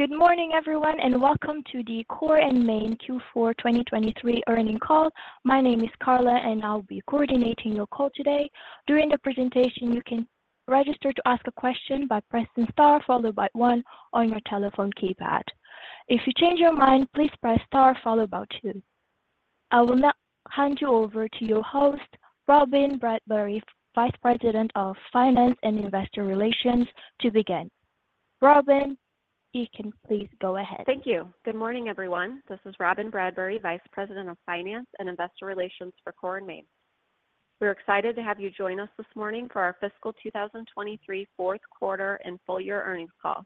Good morning, everyone, and welcome to the Core & Main Q4 2023 Earnings call. My name is Carla, and I'll be coordinating your call today. During the presentation, you can register to ask a question by pressing star followed by one on your telephone keypad. If you change your mind, please press star followed by two. I will now hand you over to your host, Robyn Bradbury, Vice President of Finance and Investor Relations, to begin. Robyn, you can please go ahead. Thank you. Good morning, everyone. This is Robyn Bradbury, Vice President of Finance and Investor Relations for Core & Main. We're excited to have you join us this morning for our fiscal 2023 fourth quarter and full year earnings call.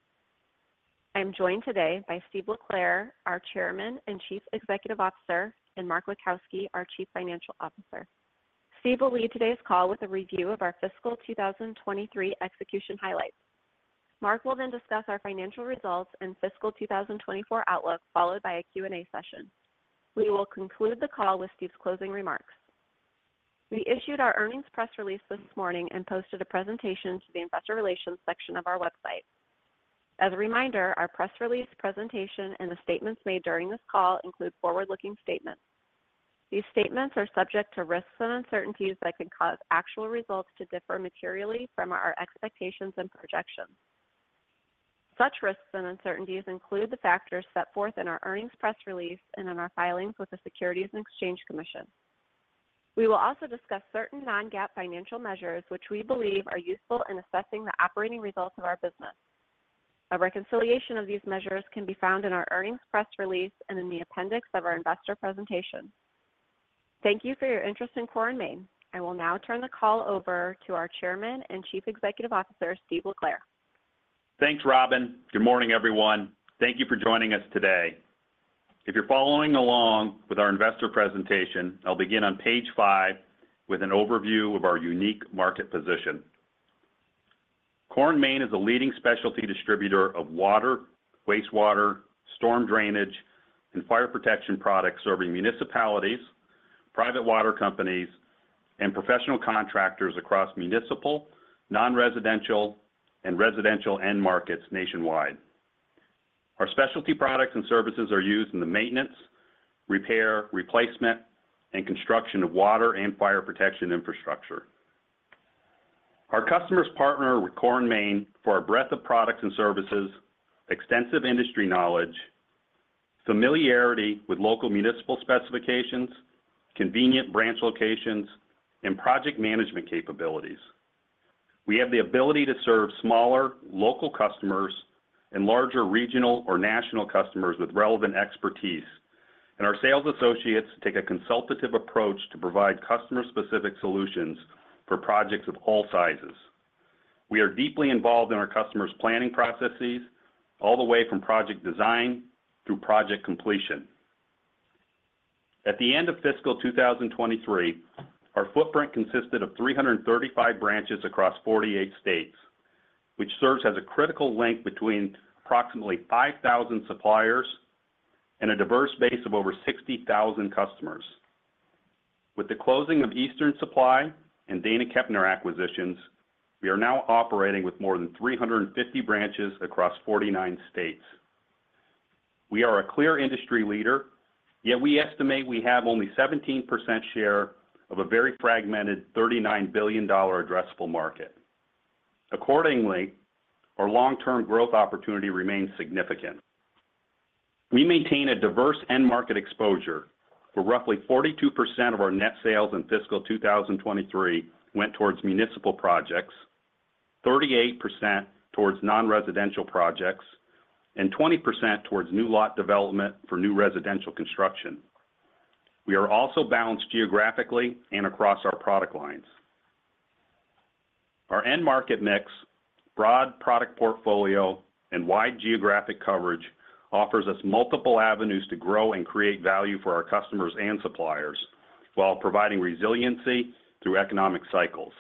I'm joined today by Steve LeClair, our Chairman and Chief Executive Officer, and Mark Witkowski, our Chief Financial Officer. Steve will lead today's call with a review of our fiscal 2023 execution highlights. Mark will then discuss our financial results and fiscal 2024 outlook, followed by a Q and A session. We will conclude the call with Steve's closing remarks. We issued our earnings press release this morning and posted a presentation to the investor relations section of our website. As a reminder, our press release, presentation, and the statements made during this call include forward-looking statements. These statements are subject to risks and uncertainties that can cause actual results to differ materially from our expectations and projections. Such risks and uncertainties include the factors set forth in our earnings press release and in our filings with the Securities and Exchange Commission. We will also discuss certain non-GAAP financial measures, which we believe are useful in assessing the operating results of our business. A reconciliation of these measures can be found in our earnings press release and in the appendix of our investor presentation. Thank you for your interest in Core & Main. I will now turn the call over to our Chairman and Chief Executive Officer, Steve LeClair. Thanks, Robyn. Good morning, everyone. Thank you for joining us today. If you're following along with our investor presentation, I'll begin on page five with an overview of our unique market position. Core & Main is a leading specialty distributor of water, wastewater, storm drainage, and fire protection products serving municipalities, private water companies, and professional contractors across municipal, non-residential, and residential end markets nationwide. Our specialty products and services are used in the maintenance, repair, replacement, and construction of water and fire protection infrastructure. Our customers partner with Core & Main for our breadth of products and services, extensive industry knowledge, familiarity with local municipal specifications, convenient branch locations, and project management capabilities. We have the ability to serve smaller local customers and larger regional or national customers with relevant expertise, and our sales associates take a consultative approach to provide customer-specific solutions for projects of all sizes. We are deeply involved in our customers' planning processes all the way from project design through project completion. At the end of fiscal 2023, our footprint consisted of 335 branches across 48 states, which serves as a critical link between approximately 5,000 suppliers and a diverse base of over 60,000 customers. With the closing of Eastern Supply and Dana Kepner acquisitions, we are now operating with more than 350 branches across 49 states. We are a clear industry leader, yet we estimate we have only 17% share of a very fragmented $39 billion addressable market. Accordingly, our long-term growth opportunity remains significant. We maintain a diverse end market exposure, where roughly 42% of our net sales in fiscal 2023 went towards municipal projects, 38% towards non-residential projects, and 20% towards new lot development for new residential construction. We are also balanced geographically and across our product lines. Our end market mix, broad product portfolio, and wide geographic coverage offers us multiple avenues to grow and create value for our customers and suppliers while providing resiliency through economic cycles.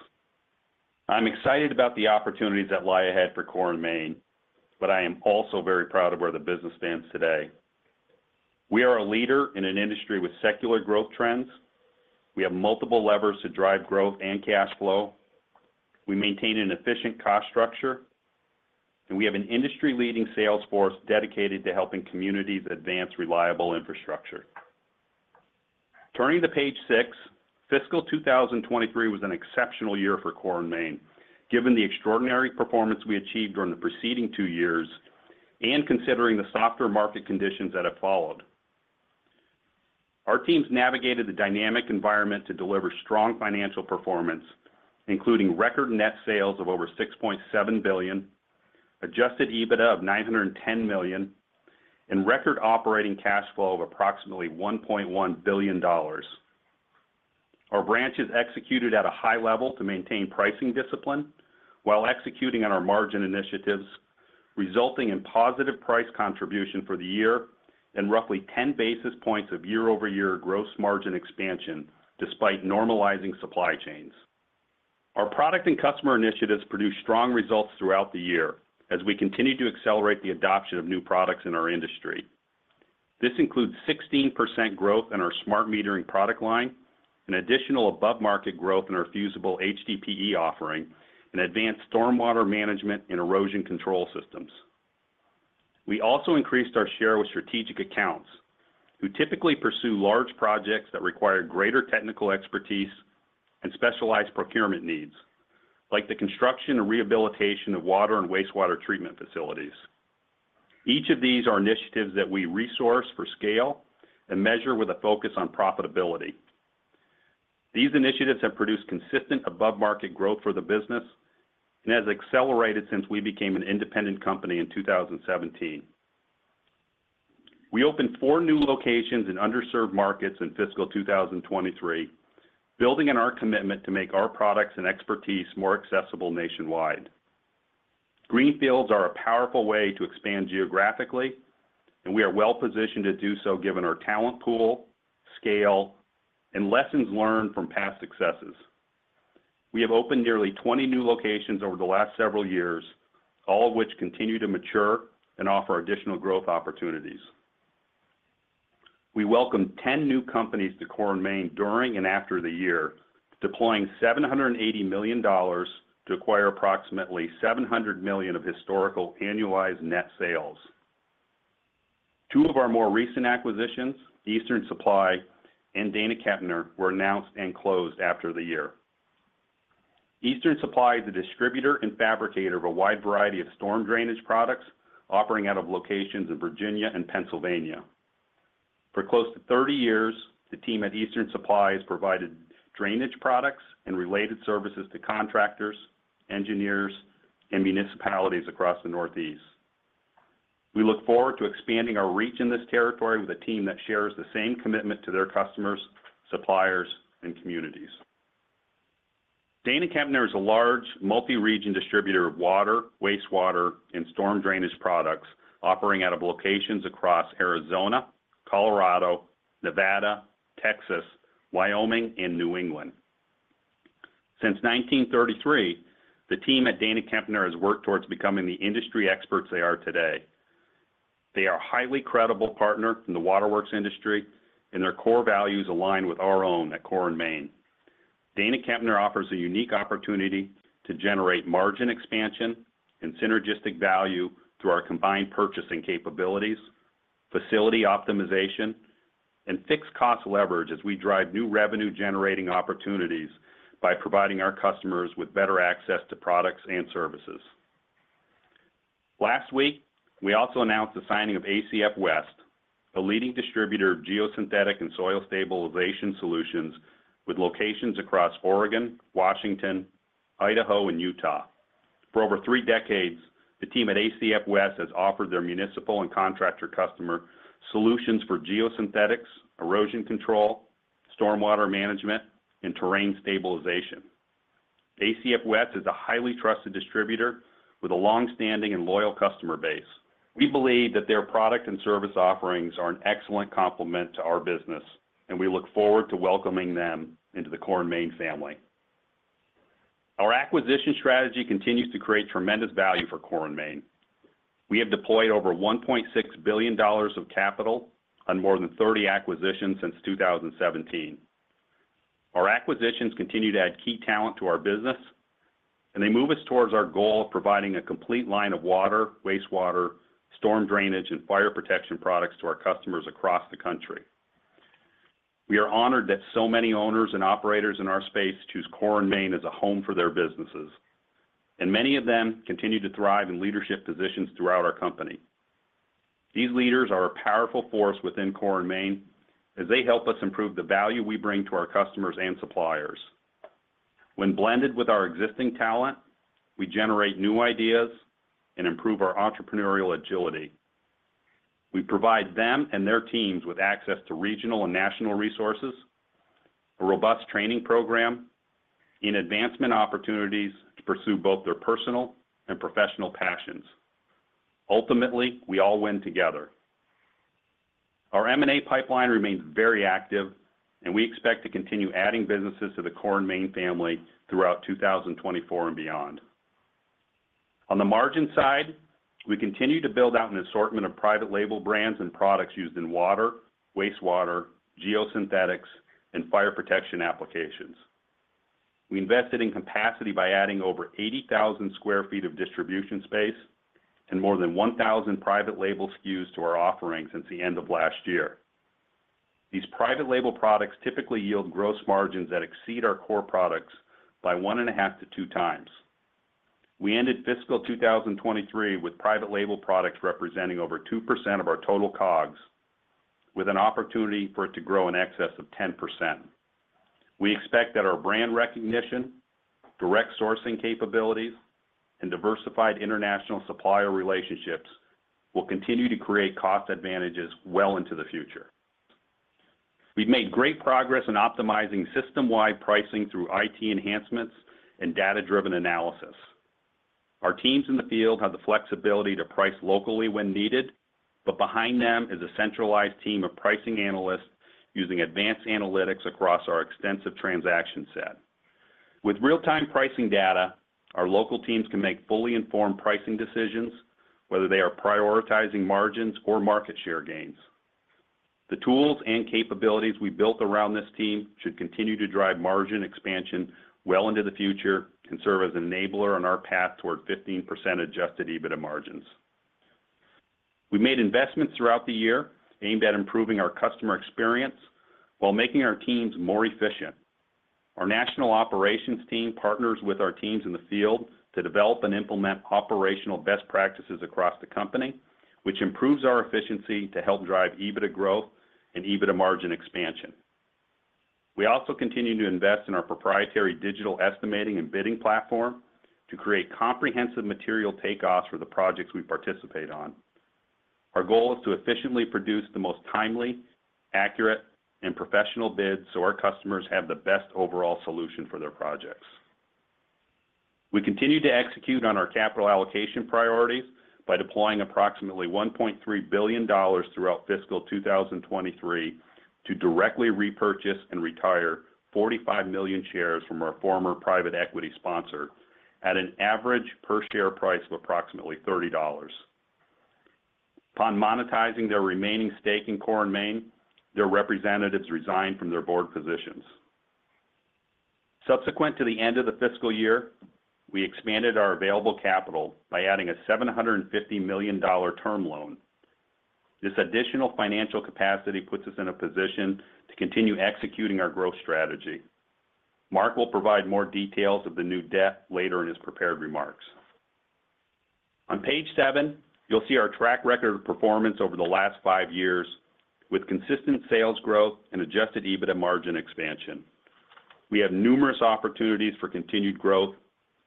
I'm excited about the opportunities that lie ahead for Core & Main, but I am also very proud of where the business stands today. We are a leader in an industry with secular growth trends. We have multiple levers to drive growth and cash flow. We maintain an efficient cost structure, and we have an industry-leading sales force dedicated to helping communities advance reliable infrastructure. Turning to page six, fiscal 2023 was an exceptional year for Core & Main, given the extraordinary performance we achieved during the preceding two years and considering the softer market conditions that have followed. Our teams navigated the dynamic environment to deliver strong financial performance, including record net sales of over $6.7 billion, adjusted EBITDA of $910 million, and record operating cash flow of approximately $1.1 billion. Our branches executed at a high level to maintain pricing discipline while executing on our margin initiatives, resulting in positive price contribution for the year and roughly 10 basis points of year-over-year gross margin expansion despite normalizing supply chains. Our product and customer initiatives produced strong results throughout the year as we continue to accelerate the adoption of new products in our industry. This includes 16% growth in our smart metering product line, an additional above-market growth in our fusible HDPE offering, and advanced storm water management and erosion control systems. We also increased our share with strategic accounts, who typically pursue large projects that require greater technical expertise and specialized procurement needs, like the construction and rehabilitation of water and wastewater treatment facilities. Each of these are initiatives that we resource for scale and measure with a focus on profitability. These initiatives have produced consistent above-market growth for the business and has accelerated since we became an independent company in 2017. We opened four new locations in underserved markets in fiscal 2023, building on our commitment to make our products and expertise more accessible nationwide. Greenfields are a powerful way to expand geographically, and we are well-positioned to do so given our talent pool, scale, and lessons learned from past successes. We have opened nearly 20 new locations over the last several years, all of which continue to mature and offer additional growth opportunities. We welcomed 10 new companies to Core & Main during and after the year, deploying $780 million to acquire approximately $700 million of historical annualized net sales. Two of our more recent acquisitions, Eastern Supply and Dana Kepner, were announced and closed after the year. Eastern Supply is a distributor and fabricator of a wide variety of storm drainage products operating out of locations in Virginia and Pennsylvania. For close to 30 years, the team at Eastern Supply has provided drainage products and related services to contractors, engineers, and municipalities across the Northeast. We look forward to expanding our reach in this territory with a team that shares the same commitment to their customers, suppliers, and communities. Dana Kepner is a large multi-region distributor of water, wastewater, and storm drainage products operating out of locations across Arizona, Colorado, Nevada, Texas, Wyoming, and New England. Since 1933, the team at Dana Kepner has worked towards becoming the industry experts they are today. They are a highly credible partner in the waterworks industry, and their core values align with our own at Core & Main. Dana Kepner offers a unique opportunity to generate margin expansion and synergistic value through our combined purchasing capabilities, facility optimization, and fixed cost leverage as we drive new revenue-generating opportunities by providing our customers with better access to products and services. Last week, we also announced the signing of ACF West, a leading distributor of geosynthetics and soil stabilization solutions with locations across Oregon, Washington, Idaho, and Utah. For over three decades, the team at ACF West has offered their municipal and contractor customer solutions for geosynthetics, erosion control, storm water management, and terrain stabilization. ACF West is a highly trusted distributor with a longstanding and loyal customer base. We believe that their product and service offerings are an excellent complement to our business, and we look forward to welcoming them into the Core & Main family. Our acquisition strategy continues to create tremendous value for Core & Main. We have deployed over $1.6 billion of capital on more than 30 acquisitions since 2017. Our acquisitions continue to add key talent to our business, and they move us towards our goal of providing a complete line of water, wastewater, storm drainage, and fire protection products to our customers across the country. We are honored that so many owners and operators in our space choose Core & Main as a home for their businesses, and many of them continue to thrive in leadership positions throughout our company. These leaders are a powerful force within Core & Main as they help us improve the value we bring to our customers and suppliers. When blended with our existing talent, we generate new ideas and improve our entrepreneurial agility. We provide them and their teams with access to regional and national resources, a robust training program, and advancement opportunities to pursue both their personal and professional passions. Ultimately, we all win together. Our M&A pipeline remains very active, and we expect to continue adding businesses to the Core & Main family throughout 2024 and beyond. On the margin side, we continue to build out an assortment of private label brands and products used in water, wastewater, geosynthetics, and fire protection applications. We invested in capacity by adding over 80,000sq ft of distribution space and more than 1,000 private label SKUs to our offering since the end of last year. These private label products typically yield gross margins that exceed our core products by 1.5x-2x. We ended fiscal 2023 with private label products representing over 2% of our total COGS, with an opportunity for it to grow in excess of 10%. We expect that our brand recognition, direct sourcing capabilities, and diversified international supplier relationships will continue to create cost advantages well into the future. We've made great progress in optimizing system-wide pricing through IT enhancements and data-driven analysis. Our teams in the field have the flexibility to price locally when needed, but behind them is a centralized team of pricing analysts using advanced analytics across our extensive transaction set. With real-time pricing data, our local teams can make fully informed pricing decisions, whether they are prioritizing margins or market share gains. The tools and capabilities we built around this team should continue to drive margin expansion well into the future and serve as an enabler on our path toward 15% adjusted EBITDA margins. We made investments throughout the year aimed at improving our customer experience while making our teams more efficient. Our national operations team partners with our teams in the field to develop and implement operational best practices across the company, which improves our efficiency to help drive EBITDA growth and EBITDA margin expansion. We also continue to invest in our proprietary digital estimating and bidding platform to create comprehensive material takeoffs for the projects we participate on. Our goal is to efficiently produce the most timely, accurate, and professional bids so our customers have the best overall solution for their projects. We continue to execute on our capital allocation priorities by deploying approximately $1.3 billion throughout fiscal 2023 to directly repurchase and retire 45 million shares from our former private equity sponsor at an average per share price of approximately $30. Upon monetizing their remaining stake in Core & Main, their representatives resigned from their board positions. Subsequent to the end of the fiscal year, we expanded our available capital by adding a $750 million term loan. This additional financial capacity puts us in a position to continue executing our growth strategy. Mark will provide more details of the new debt later in his prepared remarks. On page seven, you'll see our track record of performance over the last five years with consistent sales growth and adjusted EBITDA margin expansion. We have numerous opportunities for continued growth,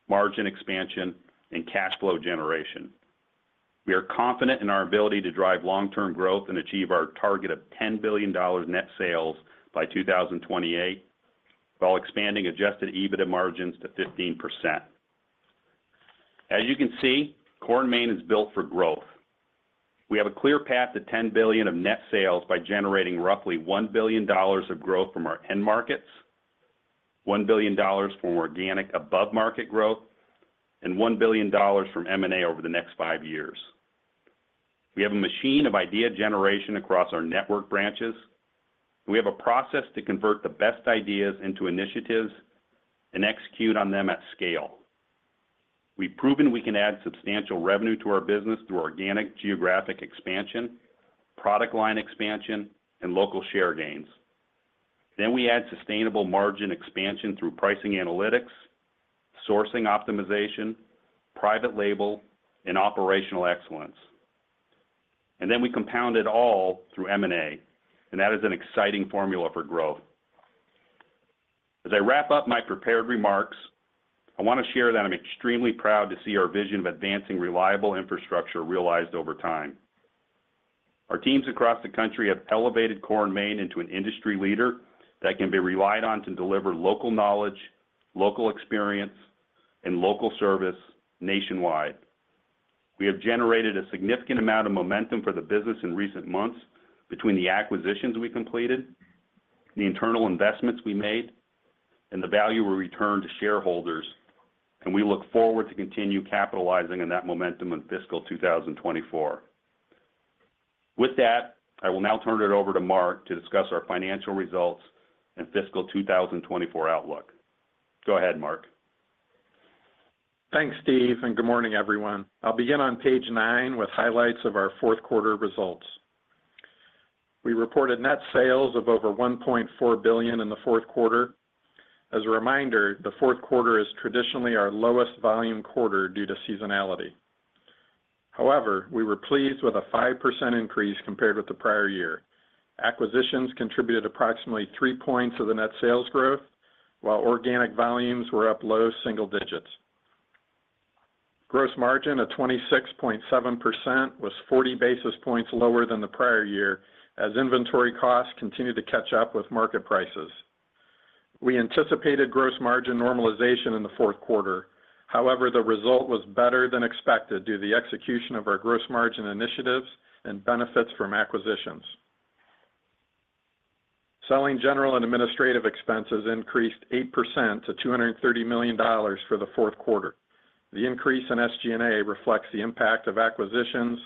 margin expansion, and cash flow generation. We are confident in our ability to drive long-term growth and achieve our target of $10 billion net sales by 2028 while expanding adjusted EBITDA margins to 15%. As you can see, Core & Main is built for growth. We have a clear path to $10 billion of net sales by generating roughly $1 billion of growth from our end markets, $1 billion from organic above-market growth, and $1 billion from M&A over the next five years. We have a machine of idea generation across our network branches, and we have a process to convert the best ideas into initiatives and execute on them at scale. We've proven we can add substantial revenue to our business through organic geographic expansion, product line expansion, and local share gains. Then we add sustainable margin expansion through pricing analytics, sourcing optimization, private label, and operational excellence. And then we compound it all through M&A, and that is an exciting formula for growth. As I wrap up my prepared remarks, I want to share that I'm extremely proud to see our vision of advancing reliable infrastructure realized over time. Our teams across the country have elevated Core & Main into an industry leader that can be relied on to deliver local knowledge, local experience, and local service nationwide. We have generated a significant amount of momentum for the business in recent months between the acquisitions we completed, the internal investments we made, and the value we returned to shareholders, and we look forward to continuing to capitalize on that momentum in fiscal 2024. With that, I will now turn it over to Mark to discuss our financial results and fiscal 2024 outlook. Go ahead, Mark. Thanks, Steve, and good morning, everyone. I'll begin on page nine with highlights of our fourth quarter results. We reported net sales of over $1.4 billion in the fourth quarter. As a reminder, the fourth quarter is traditionally our lowest volume quarter due to seasonality. However, we were pleased with a 5% increase compared with the prior year. Acquisitions contributed approximately 3 points of the net sales growth, while organic volumes were up low single digits. Gross margin of 26.7% was 40 basis points lower than the prior year as inventory costs continued to catch up with market prices. We anticipated gross margin normalization in the fourth quarter. However, the result was better than expected due to the execution of our gross margin initiatives and benefits from acquisitions. Selling, General, and Administrative expenses increased 8% to $230 million for the fourth quarter. The increase in SG&A reflects the impact of acquisitions,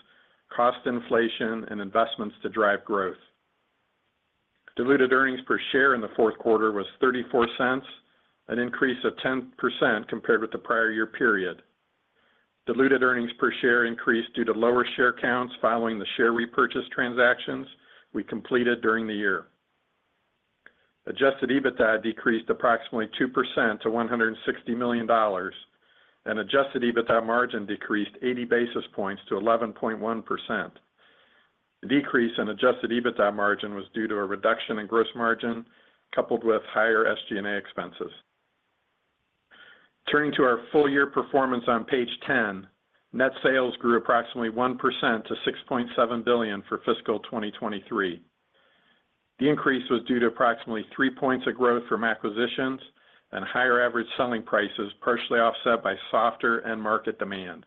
cost inflation, and investments to drive growth. Diluted earnings per share in the fourth quarter was $0.34, an increase of 10% compared with the prior year period. Diluted earnings per share increased due to lower share counts following the share repurchase transactions we completed during the year. Adjusted EBITDA decreased approximately 2% to $160 million, and adjusted EBITDA margin decreased 80 basis points to 11.1%. The decrease in adjusted EBITDA margin was due to a reduction in gross margin coupled with higher SG&A expenses. Turning to our full-year performance on page 10, net sales grew approximately 1% to $6.7 billion for fiscal 2023. The increase was due to approximately 3 points of growth from acquisitions and higher average selling prices partially offset by softer end-market demand.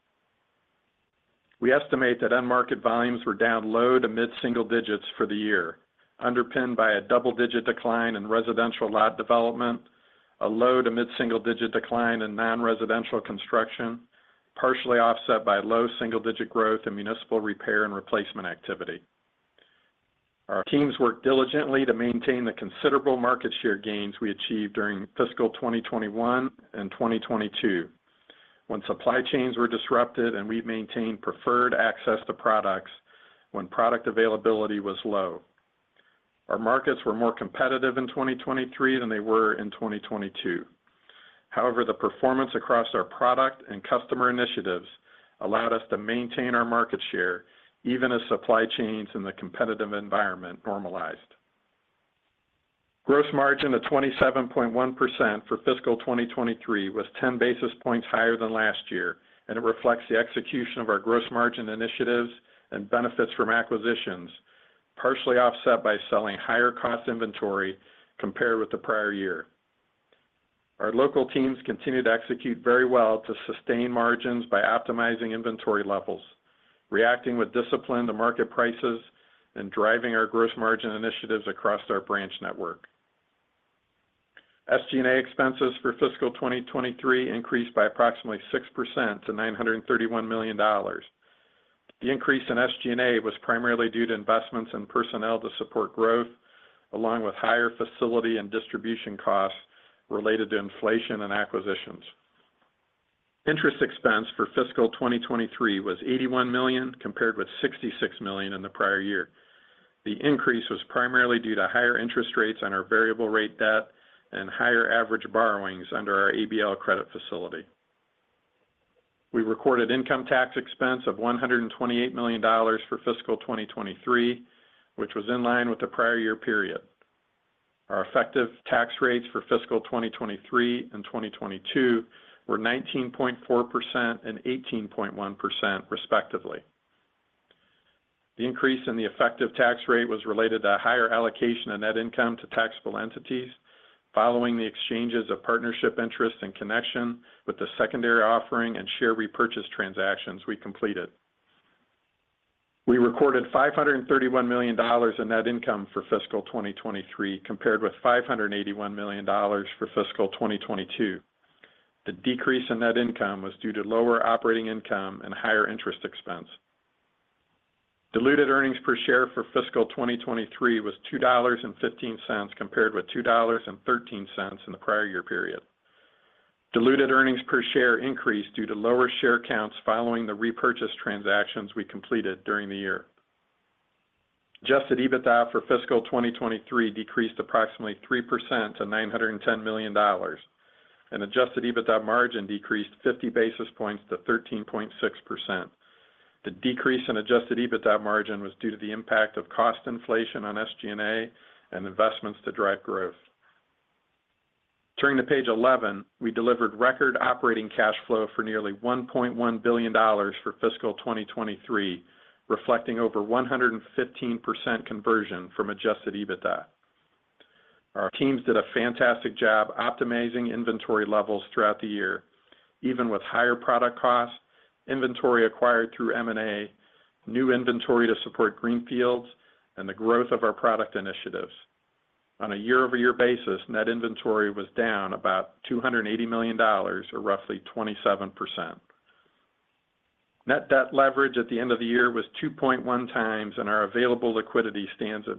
We estimate that end-market volumes were down low- to mid-single-digit for the year, underpinned by a double-digit decline in residential lot development, a low- to mid-single-digit decline in non-residential construction, partially offset by low single-digit growth in municipal repair and replacement activity. Our teams worked diligently to maintain the considerable market share gains we achieved during fiscal 2021 and 2022 when supply chains were disrupted and we maintained preferred access to products when product availability was low. Our markets were more competitive in 2023 than they were in 2022. However, the performance across our product and customer initiatives allowed us to maintain our market share even as supply chains in the competitive environment normalized. Gross margin of 27.1% for fiscal 2023 was 10 basis points higher than last year, and it reflects the execution of our gross margin initiatives and benefits from acquisitions, partially offset by selling higher-cost inventory compared with the prior year. Our local teams continue to execute very well to sustain margins by optimizing inventory levels, reacting with discipline to market prices, and driving our gross margin initiatives across our branch network. SG&A expenses for fiscal 2023 increased by approximately 6% to $931 million. The increase in SG&A was primarily due to investments in personnel to support growth, along with higher facility and distribution costs related to inflation and acquisitions. Interest expense for fiscal 2023 was $81 million compared with $66 million in the prior year. The increase was primarily due to higher interest rates on our variable-rate debt and higher average borrowings under our ABL credit facility. We recorded income tax expense of $128 million for fiscal 2023, which was in line with the prior year period. Our effective tax rates for fiscal 2023 and 2022 were 19.4% and 18.1%, respectively. The increase in the effective tax rate was related to higher allocation of net income to taxable entities following the exchanges of partnership interest in connection with the secondary offering and share repurchase transactions we completed. We recorded $531 million in net income for fiscal 2023 compared with $581 million for fiscal 2022. The decrease in net income was due to lower operating income and higher interest expense. Diluted earnings per share for fiscal 2023 was $2.15 compared with $2.13 in the prior year period. Diluted earnings per share increased due to lower share counts following the repurchase transactions we completed during the year. Adjusted EBITDA for fiscal 2023 decreased approximately 3% to $910 million, and adjusted EBITDA margin decreased 50 basis points to 13.6%. The decrease in adjusted EBITDA margin was due to the impact of cost inflation on SG&A and investments to drive growth. Turning to page 11, we delivered record operating cash flow for nearly $1.1 billion for fiscal 2023, reflecting over 115% conversion from adjusted EBITDA. Our teams did a fantastic job optimizing inventory levels throughout the year, even with higher product costs, inventory acquired through M&A, new inventory to support greenfields, and the growth of our product initiatives. On a year-over-year basis, net inventory was down about $280 million, or roughly 27%. Net debt leverage at the end of the year was 2.1x, and our available liquidity stands at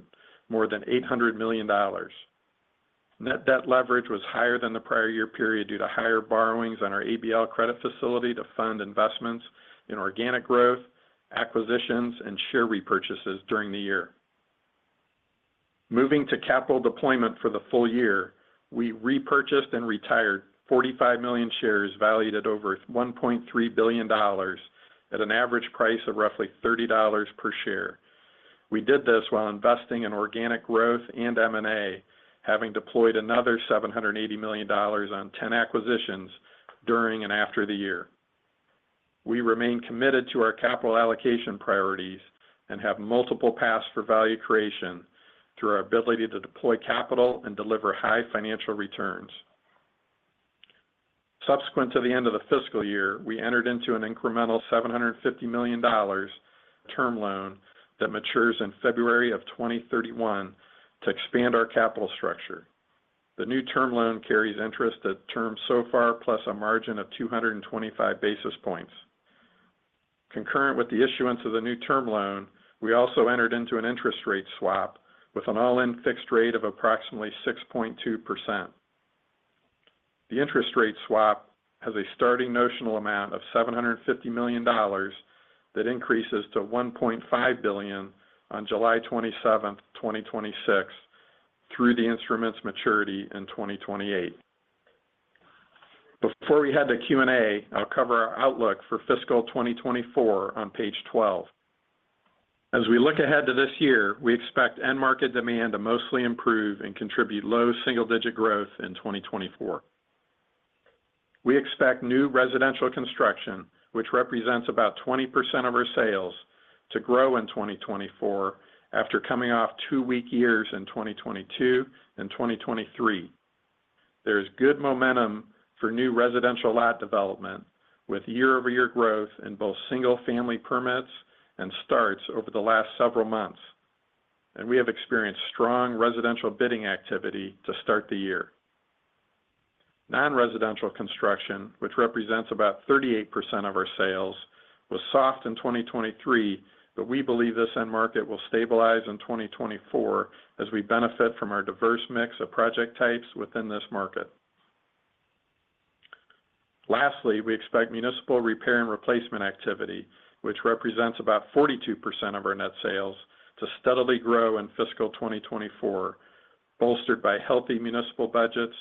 more than $800 million. Net debt leverage was higher than the prior year period due to higher borrowings on our ABL credit facility to fund investments in organic growth, acquisitions, and share repurchases during the year. Moving to capital deployment for the full year, we repurchased and retired 45 million shares valued at over $1.3 billion at an average price of roughly $30 per share. We did this while investing in organic growth and M&A, having deployed another $780 million on 10 acquisitions during and after the year. We remain committed to our capital allocation priorities and have multiple paths for value creation through our ability to deploy capital and deliver high financial returns. Subsequent to the end of the fiscal year, we entered into an incremental $750 million term loan that matures in February of 2031 to expand our capital structure. The new term loan carries interest at term SOFR plus a margin of 225 basis points. Concurrent with the issuance of the new term loan, we also entered into an interest rate swap with an all-in fixed rate of approximately 6.2%. The interest rate swap has a starting notional amount of $750 million that increases to $1.5 billion on July 27th, 2026, through the instrument's maturity in 2028. Before we head to Q and A, I'll cover our outlook for fiscal 2024 on page 12. As we look ahead to this year, we expect end-market demand to mostly improve and contribute low single-digit growth in 2024. We expect new residential construction, which represents about 20% of our sales, to grow in 2024 after coming off two weak years in 2022 and 2023. There is good momentum for new residential lot development with year-over-year growth in both single-family permits and starts over the last several months, and we have experienced strong residential bidding activity to start the year. Non-residential construction, which represents about 38% of our sales, was soft in 2023, but we believe this end market will stabilize in 2024 as we benefit from our diverse mix of project types within this market. Lastly, we expect municipal repair and replacement activity, which represents about 42% of our net sales, to steadily grow in fiscal 2024, bolstered by healthy municipal budgets,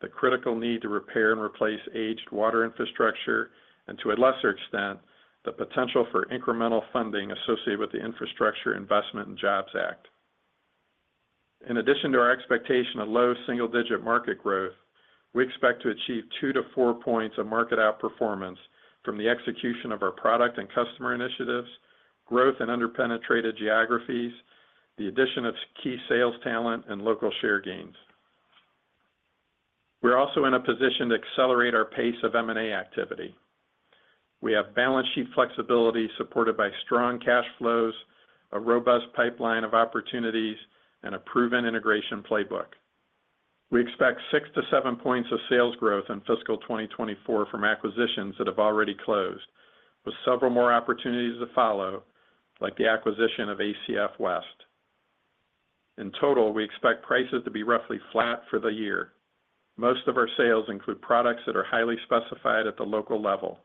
the critical need to repair and replace aged water infrastructure, and to a lesser extent, the potential for incremental funding associated with the Infrastructure Investment and Jobs Act. In addition to our expectation of low single-digit market growth, we expect to achieve 2-4 points of market outperformance from the execution of our product and customer initiatives, growth in under-penetrated geographies, the addition of key sales talent, and local share gains. We're also in a position to accelerate our pace of M&A activity. We have balance sheet flexibility supported by strong cash flows, a robust pipeline of opportunities, and a proven integration playbook. We expect 6-7 points of sales growth in fiscal 2024 from acquisitions that have already closed, with several more opportunities to follow, like the acquisition of ACF West. In total, we expect prices to be roughly flat for the year. Most of our sales include products that are highly specified at the local level.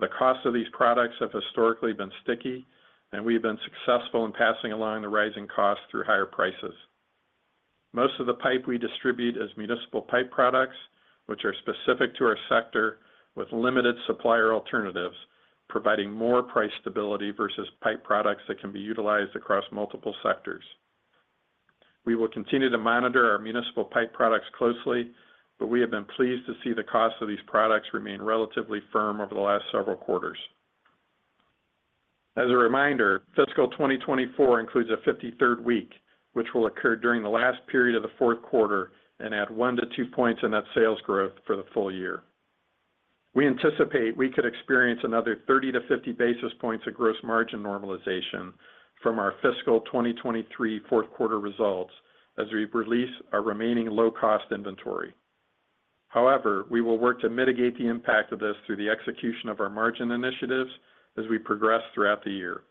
The costs of these products have historically been sticky, and we have been successful in passing along the rising costs through higher prices. Most of the pipe we distribute is municipal pipe products, which are specific to our sector with limited supplier alternatives, providing more price stability versus pipe products that can be utilized across multiple sectors. We will continue to monitor our municipal pipe products closely, but we have been pleased to see the costs of these products remain relatively firm over the last several quarters. As a reminder, fiscal 2024 includes a 53rd week, which will occur during the last period of the fourth quarter and add 1-2 points in net sales growth for the full year. We anticipate we could experience another 30-50 basis points of gross margin normalization from our fiscal 2023 fourth quarter results as we release our remaining low-cost inventory. However, we will work to mitigate the impact of this through the execution of our margin initiatives as we progress throughout the year.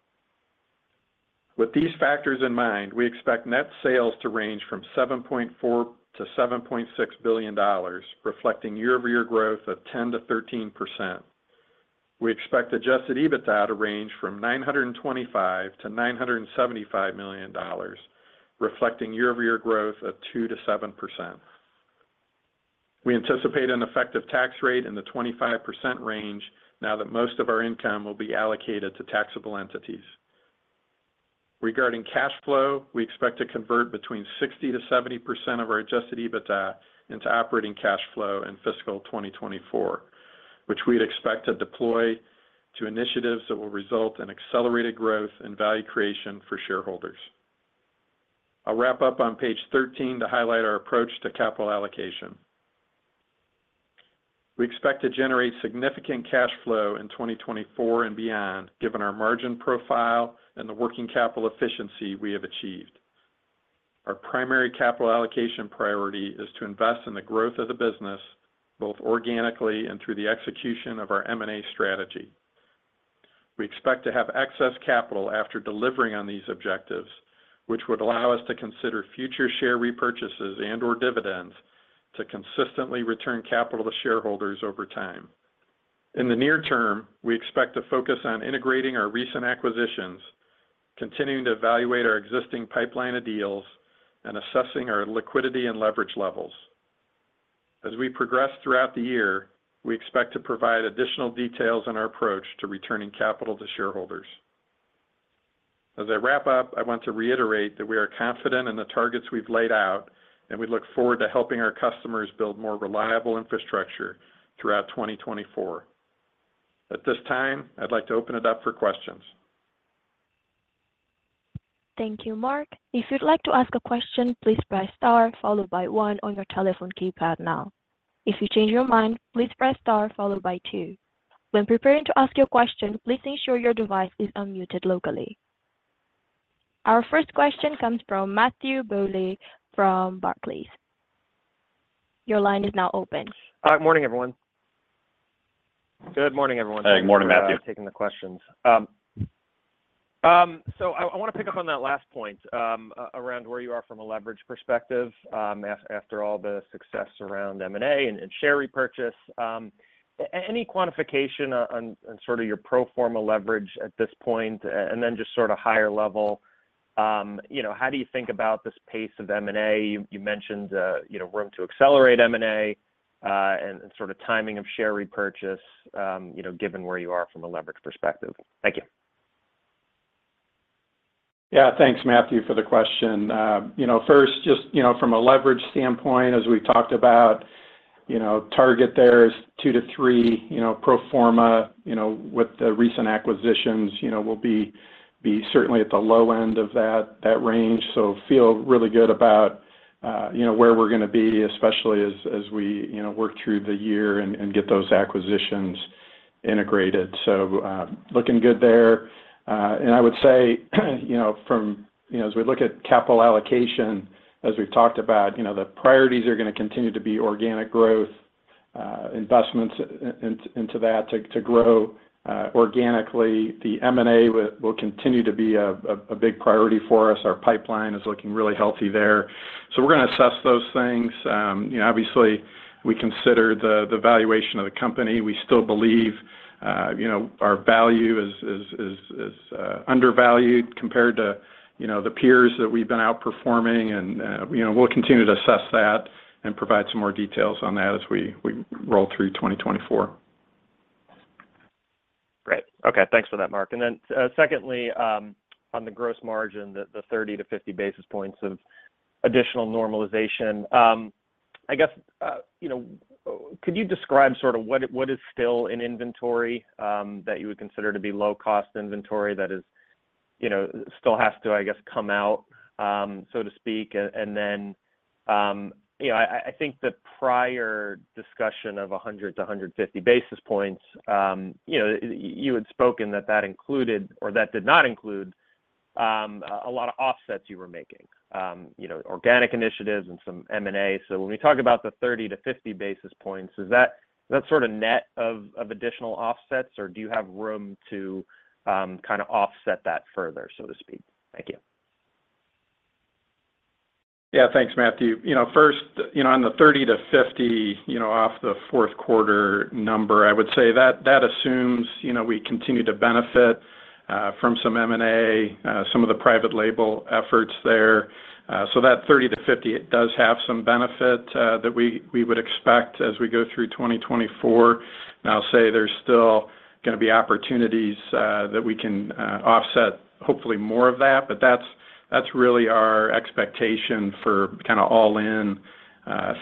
With these factors in mind, we expect net sales to range from $7.4 billion-$7.6 billion, reflecting year-over-year growth of 10%-13%. We expect adjusted EBITDA to range from $925 million-$975 million, reflecting year-over-year growth of 2%-7%. We anticipate an effective tax rate in the 25% range now that most of our income will be allocated to taxable entities. Regarding cash flow, we expect to convert between 60%-70% of our adjusted EBITDA into operating cash flow in fiscal 2024, which we'd expect to deploy to initiatives that will result in accelerated growth and value creation for shareholders. I'll wrap up on page 13 to highlight our approach to capital allocation. We expect to generate significant cash flow in 2024 and beyond, given our margin profile and the working capital efficiency we have achieved. Our primary capital allocation priority is to invest in the growth of the business, both organically and through the execution of our M&A strategy. We expect to have excess capital after delivering on these objectives, which would allow us to consider future share repurchases and/or dividends to consistently return capital to shareholders over time. In the near term, we expect to focus on integrating our recent acquisitions, continuing to evaluate our existing pipeline of deals, and assessing our liquidity and leverage levels. As we progress throughout the year, we expect to provide additional details on our approach to returning capital to shareholders. As I wrap up, I want to reiterate that we are confident in the targets we've laid out, and we look forward to helping our customers build more reliable infrastructure throughout 2024. At this time, I'd like to open it up for questions. Thank you, Mark. If you'd like to ask a question, please press star followed by one on your telephone keypad now. If you change your mind, please press star followed by two. When preparing to ask your question, please ensure your device is unmuted locally. Our first question comes from Matthew Bouley from Barclays. Your line is now open. Hi, good morning, everyone. Good morning, everyone. Hey, good morning, Matthew. I'm taking the questions. So I want to pick up on that last point around where you are from a leverage perspective, after all the success around M&A and share repurchase. Any quantification on sort of your pro forma leverage at this point, and then just sort of higher level? How do you think about this pace of M&A? You mentioned room to accelerate M&A and sort of timing of share repurchase, given where you are from a leverage perspective. Thank you. Yeah, thanks, Matthew, for the question. First, just from a leverage standpoint, as we've talked about, target there is 2-3. Pro forma, with the recent acquisitions, will be certainly at the low end of that range. So feel really good about where we're going to be, especially as we work through the year and get those acquisitions integrated. So looking good there. And I would say, as we look at capital allocation, as we've talked about, the priorities are going to continue to be organic growth, investments into that to grow organically. The M&A will continue to be a big priority for us. Our pipeline is looking really healthy there. So we're going to assess those things. Obviously, we consider the valuation of the company. We still believe our value is undervalued compared to the peers that we've been outperforming. We'll continue to assess that and provide some more details on that as we roll through 2024. Great. Okay, thanks for that, Mark. And then secondly, on the gross margin, the 30-50 basis points of additional normalization, I guess, could you describe sort of what is still in inventory that you would consider to be low-cost inventory that still has to, I guess, come out, so to speak? And then I think the prior discussion of 100-150 basis points, you had spoken that that included or that did not include a lot of offsets you were making, organic initiatives and some M&A. So when we talk about the 30-50 basis points, is that sort of net of additional offsets, or do you have room to kind of offset that further, so to speak? Thank you. Yeah, thanks, Matthew. First, on the 30-50 off the fourth quarter number, I would say that assumes we continue to benefit from some M&A, some of the private label efforts there. So that 30-50, it does have some benefit that we would expect as we go through 2024. I'll say there's still going to be opportunities that we can offset, hopefully, more of that. But that's really our expectation for kind of all-in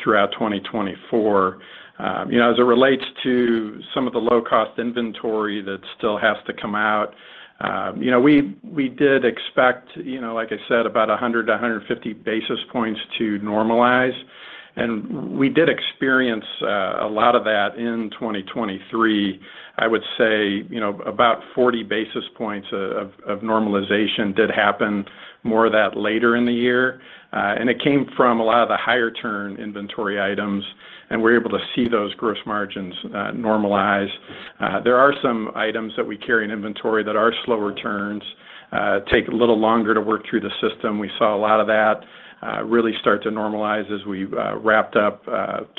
throughout 2024. As it relates to some of the low-cost inventory that still has to come out, we did expect, like I said, about 100-150 basis points to normalize. And we did experience a lot of that in 2023. I would say about 40 basis points of normalization did happen, more of that later in the year. And it came from a lot of the higher-turn inventory items. We're able to see those gross margins normalize. There are some items that we carry in inventory that are slower turns, take a little longer to work through the system. We saw a lot of that really start to normalize as we wrapped up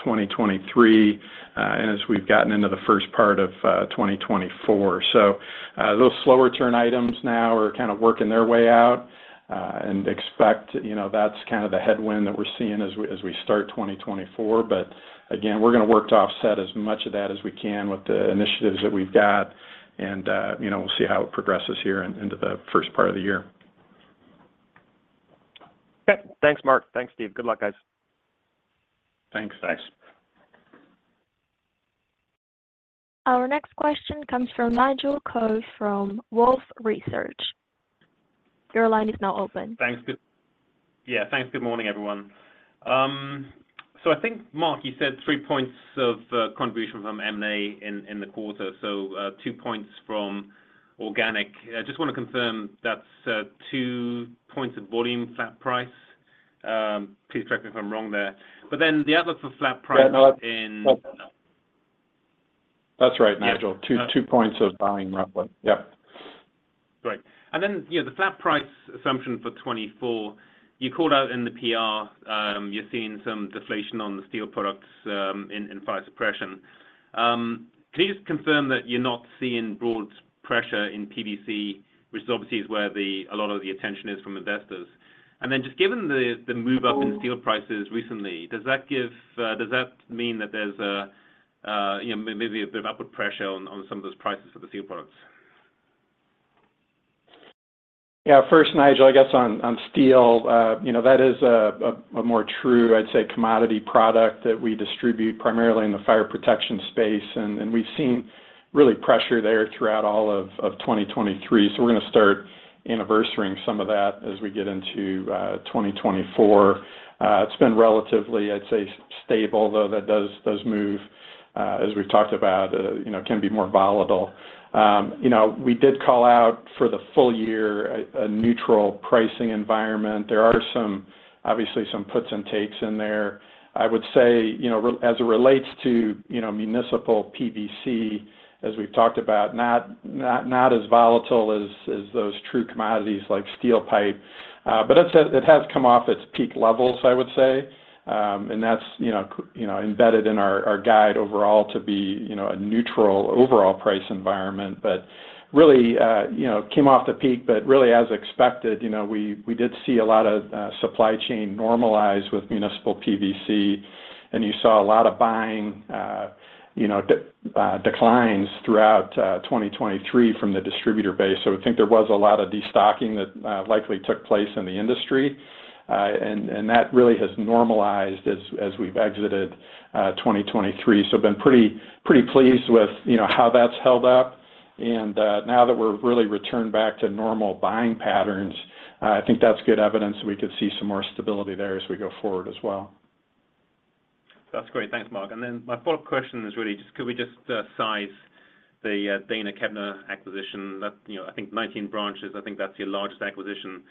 2023 and as we've gotten into the first part of 2024. So those slower-turn items now are kind of working their way out. And expect that's kind of the headwind that we're seeing as we start 2024. But again, we're going to work to offset as much of that as we can with the initiatives that we've got. And we'll see how it progresses here into the first part of the year. Okay. Thanks, Mark. Thanks, Steve. Good luck, guys. Thanks. Thanks. Our next question comes from Nigel Coe from Wolfe Research. Your line is now open. Thanks. Yeah, thanks. Good morning, everyone. So I think, Mark, you said 3 points of contribution from M&A in the quarter, so 2 points from organic. I just want to confirm that's 2 points of volume flat price. Please correct me if I'm wrong there. But then the outlook for flat price in. Yeah, no, that's right, Nigel. 2 points of volume roughly. Yep. Great. And then the flat price assumption for 2024, you called out in the PR you're seeing some deflation on the steel products in price suppression. Can you just confirm that you're not seeing broad pressure in PVC, which obviously is where a lot of the attention is from investors? And then just given the move up in steel prices recently, does that mean that there's maybe a bit of upward pressure on some of those prices for the steel products? Yeah, first, Nigel, I guess on steel, that is a more true, I'd say, commodity product that we distribute primarily in the fire protection space. And we've seen really pressure there throughout all of 2023. So we're going to start anniversarying some of that as we get into 2024. It's been relatively, I'd say, stable, though that does move, as we've talked about, can be more volatile. We did call out for the full year a neutral pricing environment. There are obviously some puts and takes in there. I would say, as it relates to municipal PVC, as we've talked about, not as volatile as those true commodities like steel pipe. But it has come off its peak levels, I would say. And that's embedded in our guide overall to be a neutral overall price environment. But really came off the peak, but really, as expected, we did see a lot of supply chain normalize with municipal PVC. And you saw a lot of buying declines throughout 2023 from the distributor base. So I think there was a lot of destocking that likely took place in the industry. And that really has normalized as we've exited 2023. So been pretty pleased with how that's held up. And now that we're really returned back to normal buying patterns, I think that's good evidence that we could see some more stability there as we go forward as well. That's great. Thanks, Mark. And then my follow-up question is really just, could we just size the Dana Kepner acquisition? I think 19 branches. I think that's your largest acquisition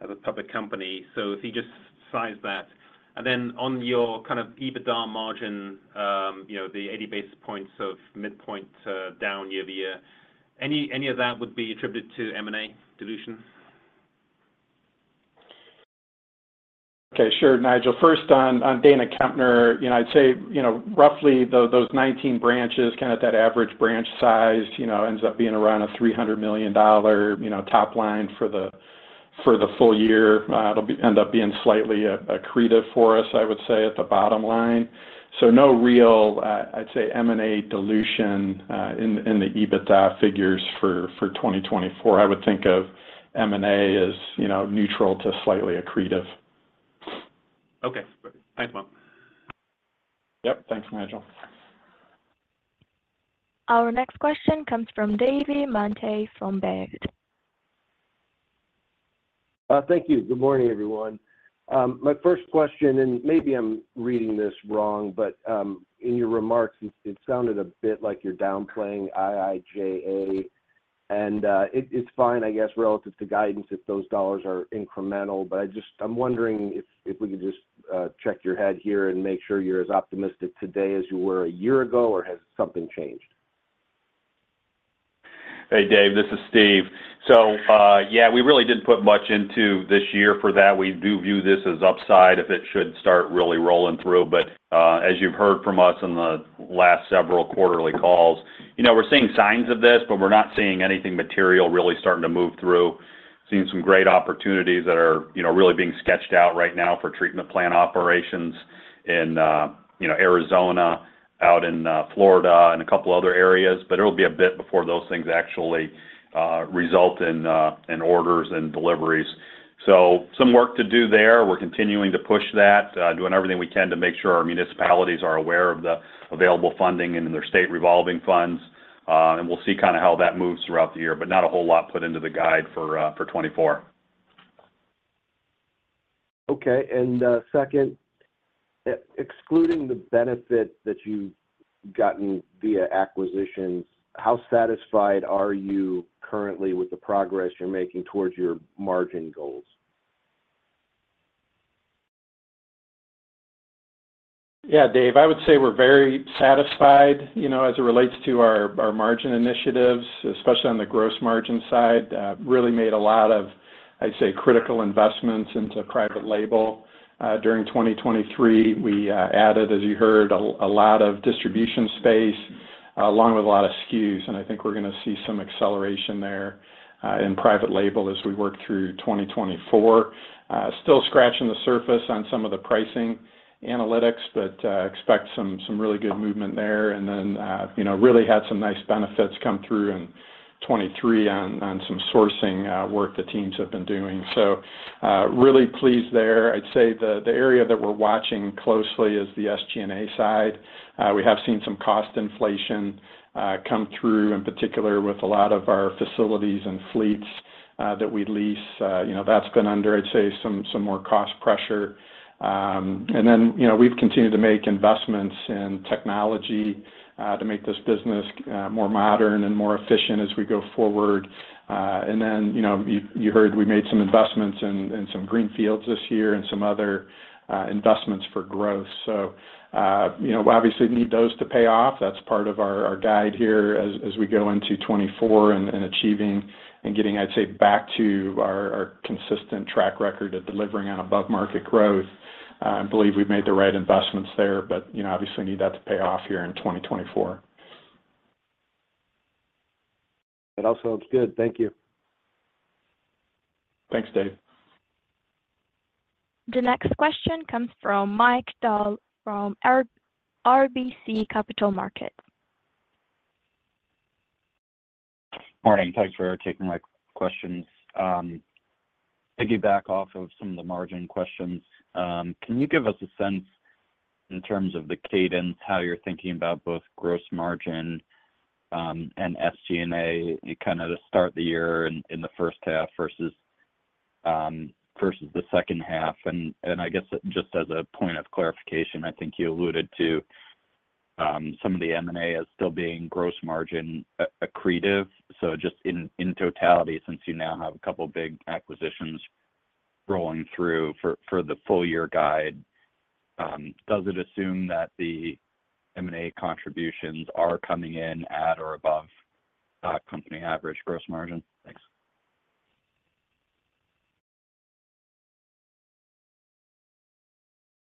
as a public company. So if you just size that. And then on your kind of EBITDA margin, the 80 basis points of midpoint down year-over-year, any of that would be attributed to M&A dilution? Okay, sure, Nigel. First, on Dana Kepner, I'd say roughly those 19 branches, kind of that average branch size ends up being around a $300 million top line for the full year. It'll end up being slightly accretive for us, I would say, at the bottom line. So no real, I'd say, M&A dilution in the EBITDA figures for 2024. I would think of M&A as neutral to slightly accretive. Okay. Great. Thanks, Mark. Yep. Thanks, Nigel. Our next question comes from David Manthey from Baird. Thank you. Good morning, everyone. My first question, and maybe I'm reading this wrong, but in your remarks, it sounded a bit like you're downplaying IIJA. It's fine, I guess, relative to guidance if those dollars are incremental. I'm wondering if we could just check your head here and make sure you're as optimistic today as you were a year ago, or has something changed? Hey, Dave. This is Steve. So yeah, we really didn't put much into this year for that. We do view this as upside if it should start really rolling through. But as you've heard from us in the last several quarterly calls, we're seeing signs of this, but we're not seeing anything material really starting to move through. We're seeing some great opportunities that are really being sketched out right now for treatment plant operations in Arizona, out in Florida, and a couple of other areas. But it'll be a bit before those things actually result in orders and deliveries. So some work to do there. We're continuing to push that, doing everything we can to make sure our municipalities are aware of the available funding and their state revolving funds. We'll see kind of how that moves throughout the year, but not a whole lot put into the guide for 2024. Okay. Second, excluding the benefit that you've gotten via acquisitions, how satisfied are you currently with the progress you're making towards your margin goals? Yeah, Dave, I would say we're very satisfied as it relates to our margin initiatives, especially on the gross margin side. Really made a lot of, I'd say, critical investments into private label. During 2023, we added, as you heard, a lot of distribution space along with a lot of SKUs. And I think we're going to see some acceleration there in private label as we work through 2024. Still scratching the surface on some of the pricing analytics, but expect some really good movement there. And then really had some nice benefits come through in 2023 on some sourcing work the teams have been doing. So really pleased there. I'd say the area that we're watching closely is the SG&A side. We have seen some cost inflation come through, in particular with a lot of our facilities and fleets that we lease. That's been under, I'd say, some more cost pressure. And then we've continued to make investments in technology to make this business more modern and more efficient as we go forward. And then you heard we made some investments in some greenfields this year and some other investments for growth. So obviously, need those to pay off. That's part of our guide here as we go into 2024 and achieving and getting, I'd say, back to our consistent track record of delivering on above-market growth. I believe we've made the right investments there, but obviously, need that to pay off here in 2024. That all sounds good. Thank you. Thanks, Dave. The next question comes from Mike Dahl from RBC Capital Markets. Morning. Thanks for taking my questions. To get back off of some of the margin questions, can you give us a sense in terms of the cadence, how you're thinking about both gross margin and SG&A, kind of to start the year in the first half versus the second half? And I guess just as a point of clarification, I think you alluded to some of the M&A as still being gross margin accretive. So just in totality, since you now have a couple of big acquisitions rolling through for the full-year guide, does it assume that the M&A contributions are coming in at or above company average gross margin? Thanks.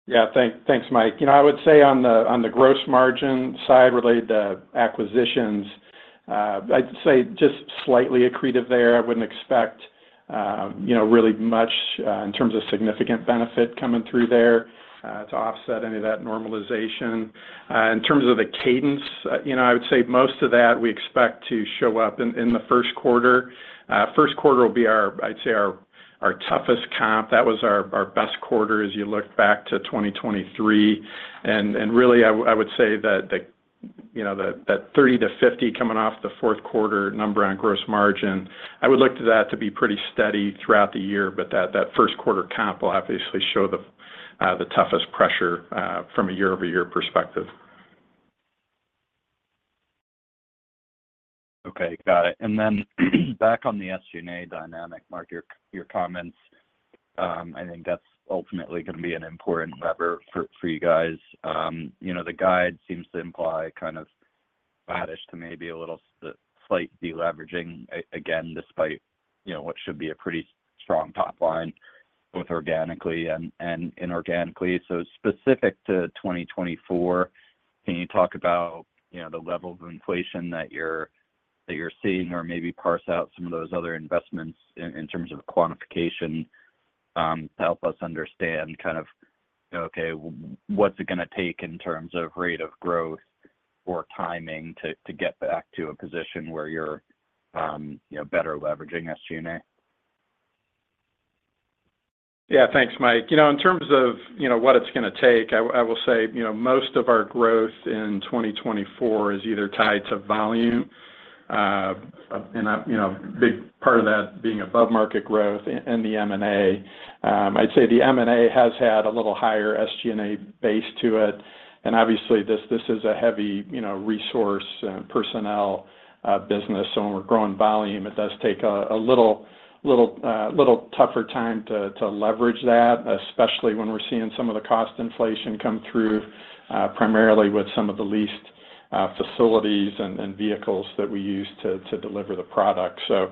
Yeah, thanks, Mike. I would say on the gross margin side, related acquisitions, I'd say just slightly accretive there. I wouldn't expect really much in terms of significant benefit coming through there to offset any of that normalization. In terms of the cadence, I would say most of that we expect to show up in the first quarter. First quarter will be, I'd say, our toughest comp. That was our best quarter as you look back to 2023. And really, I would say that that 30-50 coming off the fourth quarter number on gross margin, I would look to that to be pretty steady throughout the year. But that first quarter comp will obviously show the toughest pressure from a year-over-year perspective. Okay. Got it. And then back on the SG&A dynamic, Mark, your comments, I think that's ultimately going to be an important lever for you guys. The guide seems to imply kind of flatness to maybe a little slight deleveraging, again, despite what should be a pretty strong top line both organically and inorganically. So specific to 2024, can you talk about the level of inflation that you're seeing or maybe parse out some of those other investments in terms of quantification to help us understand kind of, okay, what's it going to take in terms of rate of growth or timing to get back to a position where you're better leveraging SG&A? Yeah, thanks, Mike. In terms of what it's going to take, I will say most of our growth in 2024 is either tied to volume. A big part of that being above-market growth and the M&A. I'd say the M&A has had a little higher SG&A base to it. Obviously, this is a heavy resource and personnel business. So when we're growing volume, it does take a little tougher time to leverage that, especially when we're seeing some of the cost inflation come through primarily with some of the leased facilities and vehicles that we use to deliver the product. So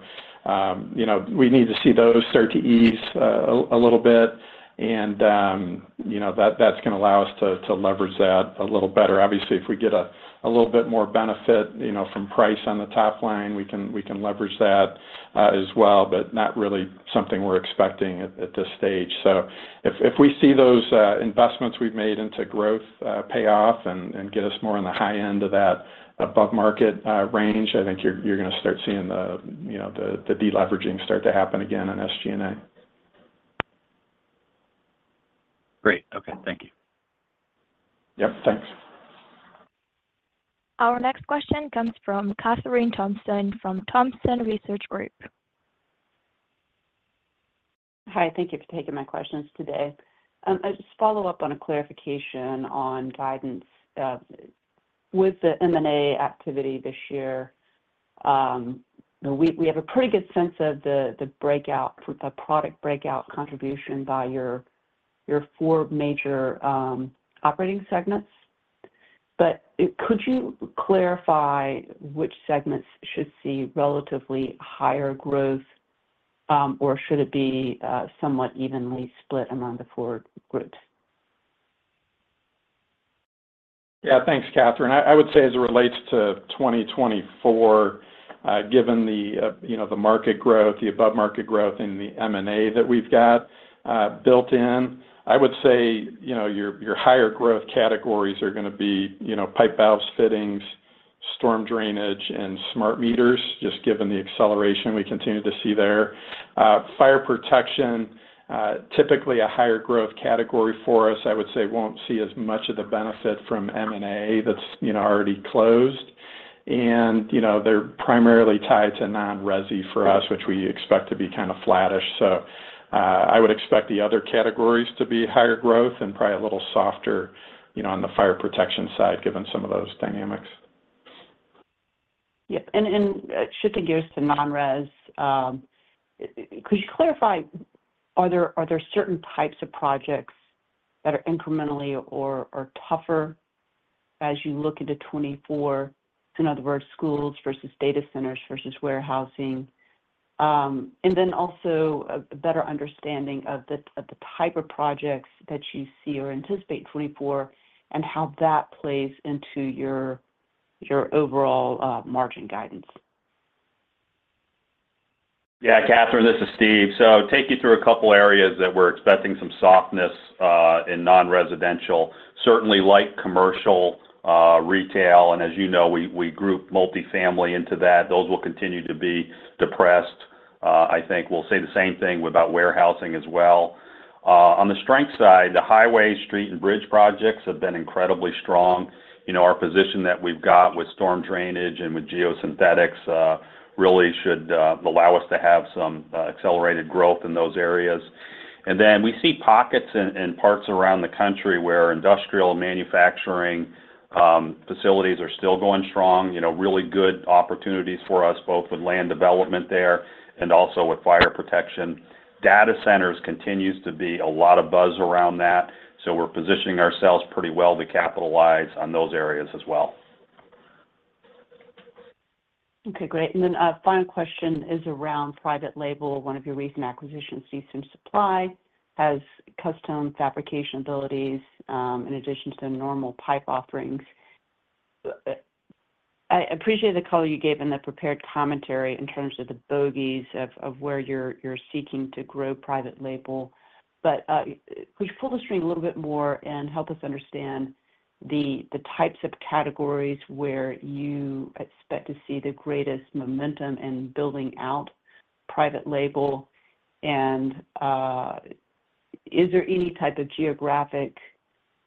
we need to see those start to ease a little bit. That's going to allow us to leverage that a little better. Obviously, if we get a little bit more benefit from price on the top line, we can leverage that as well, but not really something we're expecting at this stage. So if we see those investments we've made into growth pay off and get us more in the high end of that above-market range, I think you're going to start seeing the deleveraging start to happen again in SG&A. Great. Okay. Thank you. Yep. Thanks. Our next question comes from Kathryn Thompson from Thompson Research Group. Hi. Thank you for taking my questions today. I just follow up on a clarification on guidance with the M&A activity this year. We have a pretty good sense of the product breakout contribution by your four major operating segments. Could you clarify which segments should see relatively higher growth, or should it be somewhat evenly split among the four groups? Yeah, thanks, Kathryn. I would say as it relates to 2024, given the market growth, the above-market growth, and the M&A that we've got built in, I would say your higher growth categories are going to be Pipe, Valves & Fittings, Storm Drainage, and smart meters, just given the acceleration we continue to see there. Fire Protection, typically a higher growth category for us, I would say won't see as much of the benefit from M&A that's already closed. And they're primarily tied to non-resi for us, which we expect to be kind of flattish. So I would expect the other categories to be higher growth and probably a little softer on the fire protection side, given some of those dynamics. Yep. And shifting gears to non-resi, could you clarify, are there certain types of projects that are incrementally or tougher as you look into 2024? In other words, schools versus data centers versus warehousing. And then also a better understanding of the type of projects that you see or anticipate 2024 and how that plays into your overall margin guidance. Yeah, Kathryn, this is Steve. So take you through a couple of areas that we're expecting some softness in non-residential, certainly light commercial, retail. And as you know, we group multifamily into that. Those will continue to be depressed. I think we'll say the same thing about warehousing as well. On the strength side, the highway, street, and bridge projects have been incredibly strong. Our position that we've got with Storm Drainage and with geosynthetics really should allow us to have some accelerated growth in those areas. And then we see pockets in parts around the country where industrial and manufacturing facilities are still going strong. Really good opportunities for us both with land development there and also with fire protection. Data centers continues to be a lot of buzz around that. So we're positioning ourselves pretty well to capitalize on those areas as well. Okay. Great. And then final question is around private label. One of your recent acquisitions, Eastern Supply, has custom fabrication abilities in addition to normal pipe offerings. I appreciate the color you gave in the prepared commentary in terms of the bogeys of where you're seeking to grow private label. But could you pull the string a little bit more and help us understand the types of categories where you expect to see the greatest momentum in building out private label? And is there any type of geographic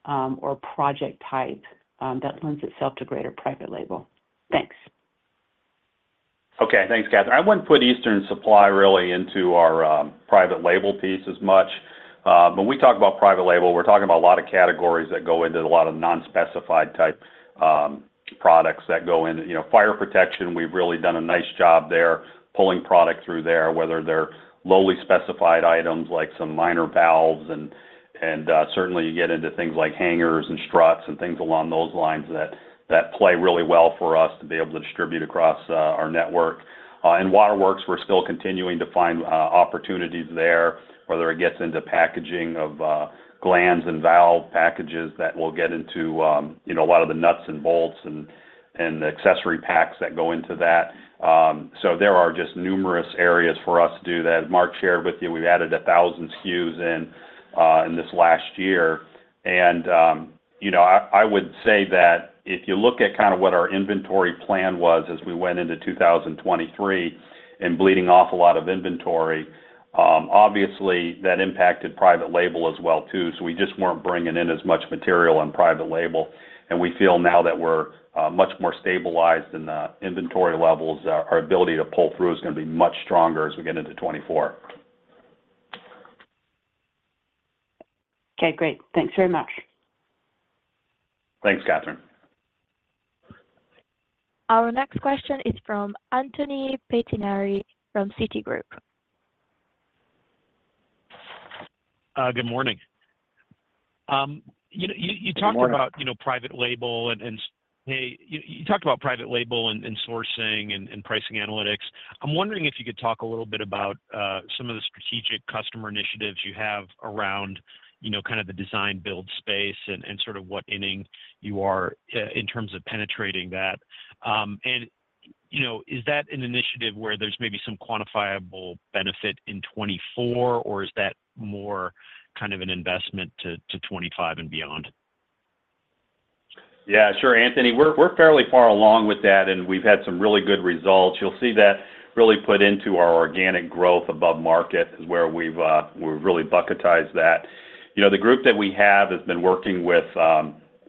or project type that lends itself to greater private label? Thanks. Okay. Thanks, Kathryn. I wouldn't put Eastern Supply really into our private label piece as much. When we talk about private label, we're talking about a lot of categories that go into a lot of non-specified type products that go in. Fire Protection, we've really done a nice job there, pulling product through there, whether they're lowly specified items like some minor valves. And certainly, you get into things like hangers and struts and things along those lines that play really well for us to be able to distribute across our network. In waterworks, we're still continuing to find opportunities there, whether it gets into packaging of glands and valve packages that will get into a lot of the nuts and bolts and accessory packs that go into that. So there are just numerous areas for us to do that. Mark shared with you, we've added 1,000 SKUs in this last year. I would say that if you look at kind of what our inventory plan was as we went into 2023 and bleeding off a lot of inventory, obviously, that impacted private label as well too. We just weren't bringing in as much material on private label. We feel now that we're much more stabilized and the inventory levels, our ability to pull through is going to be much stronger as we get into 2024. Okay. Great. Thanks very much. Thanks, Kathryn. Our next question is from Anthony Pettinari from Citigroup. Good morning. You talked about private label and hey, you talked about private label and sourcing and pricing analytics. I'm wondering if you could talk a little bit about some of the strategic customer initiatives you have around kind of the design-build space and sort of what inning you are in terms of penetrating that. And is that an initiative where there's maybe some quantifiable benefit in 2024, or is that more kind of an investment to 2025 and beyond? Yeah, sure, Anthony. We're fairly far along with that, and we've had some really good results. You'll see that really put into our organic growth above market is where we've really bucketized that. The group that we have has been working with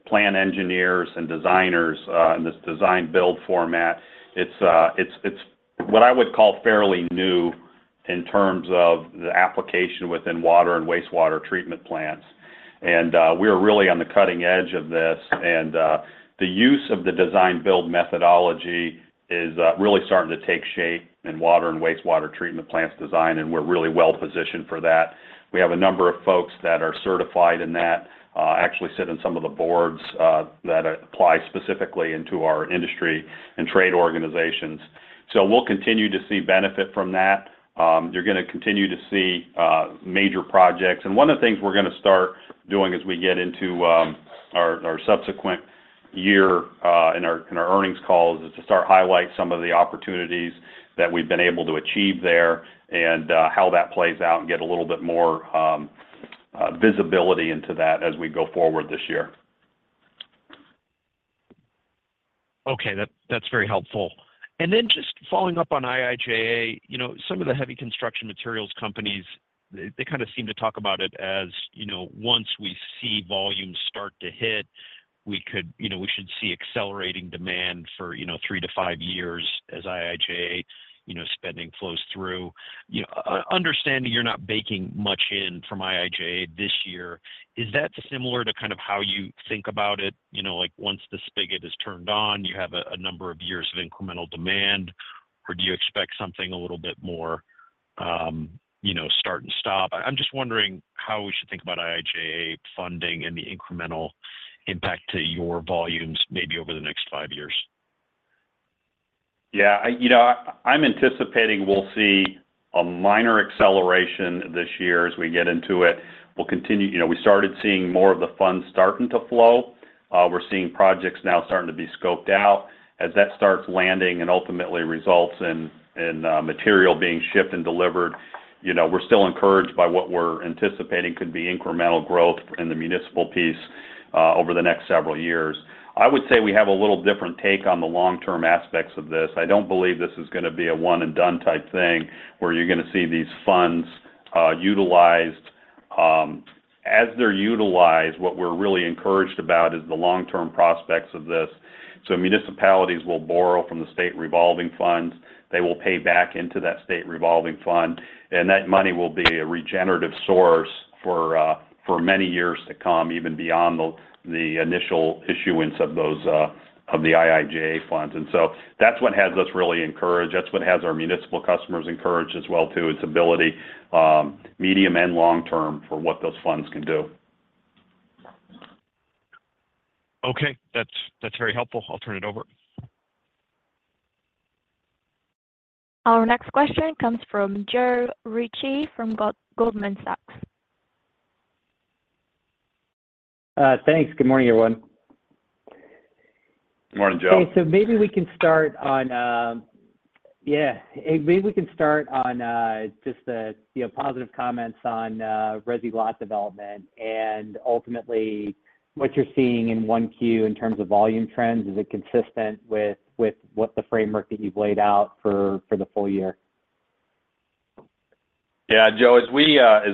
plant engineers and designers in this design-build format. It's what I would call fairly new in terms of the application within water and wastewater treatment plants. And we are really on the cutting edge of this. And the use of the design-build methodology is really starting to take shape in water and wastewater treatment plants design, and we're really well-positioned for that. We have a number of folks that are certified in that, actually sit in some of the boards that apply specifically into our industry and trade organizations. So we'll continue to see benefit from that. You're going to continue to see major projects. One of the things we're going to start doing as we get into our subsequent year in our earnings calls is to start highlighting some of the opportunities that we've been able to achieve there and how that plays out and get a little bit more visibility into that as we go forward this year. Okay. That's very helpful. And then just following up on IIJA, some of the heavy construction materials companies, they kind of seem to talk about it as once we see volume start to hit, we should see accelerating demand for three-five years as IIJA spending flows through. Understanding you're not baking much in from IIJA this year, is that similar to kind of how you think about it? Once the spigot is turned on, you have a number of years of incremental demand, or do you expect something a little bit more start and stop? I'm just wondering how we should think about IIJA funding and the incremental impact to your volumes maybe over the next five years. Yeah. I'm anticipating we'll see a minor acceleration this year as we get into it. We'll continue we started seeing more of the funds starting to flow. We're seeing projects now starting to be scoped out. As that starts landing and ultimately results in material being shipped and delivered, we're still encouraged by what we're anticipating could be incremental growth in the municipal piece over the next several years. I would say we have a little different take on the long-term aspects of this. I don't believe this is going to be a one-and-done type thing where you're going to see these funds utilized. As they're utilized, what we're really encouraged about is the long-term prospects of this. So municipalities will borrow from the state revolving funds. They will pay back into that state revolving fund. And that money will be a regenerative source for many years to come, even beyond the initial issuance of the IIJA funds. And so that's what has us really encouraged. That's what has our municipal customers encouraged as well too, its ability, medium and long-term, for what those funds can do. Okay. That's very helpful. I'll turn it over. Our next question comes from Joe Ritchie from Goldman Sachs. Thanks. Good morning, everyone. Morning, Joe. Okay. So maybe we can start on just the positive comments on resi lot development. And ultimately, what you're seeing in 1Q in terms of volume trends, is it consistent with the framework that you've laid out for the full year? Yeah, Joe. As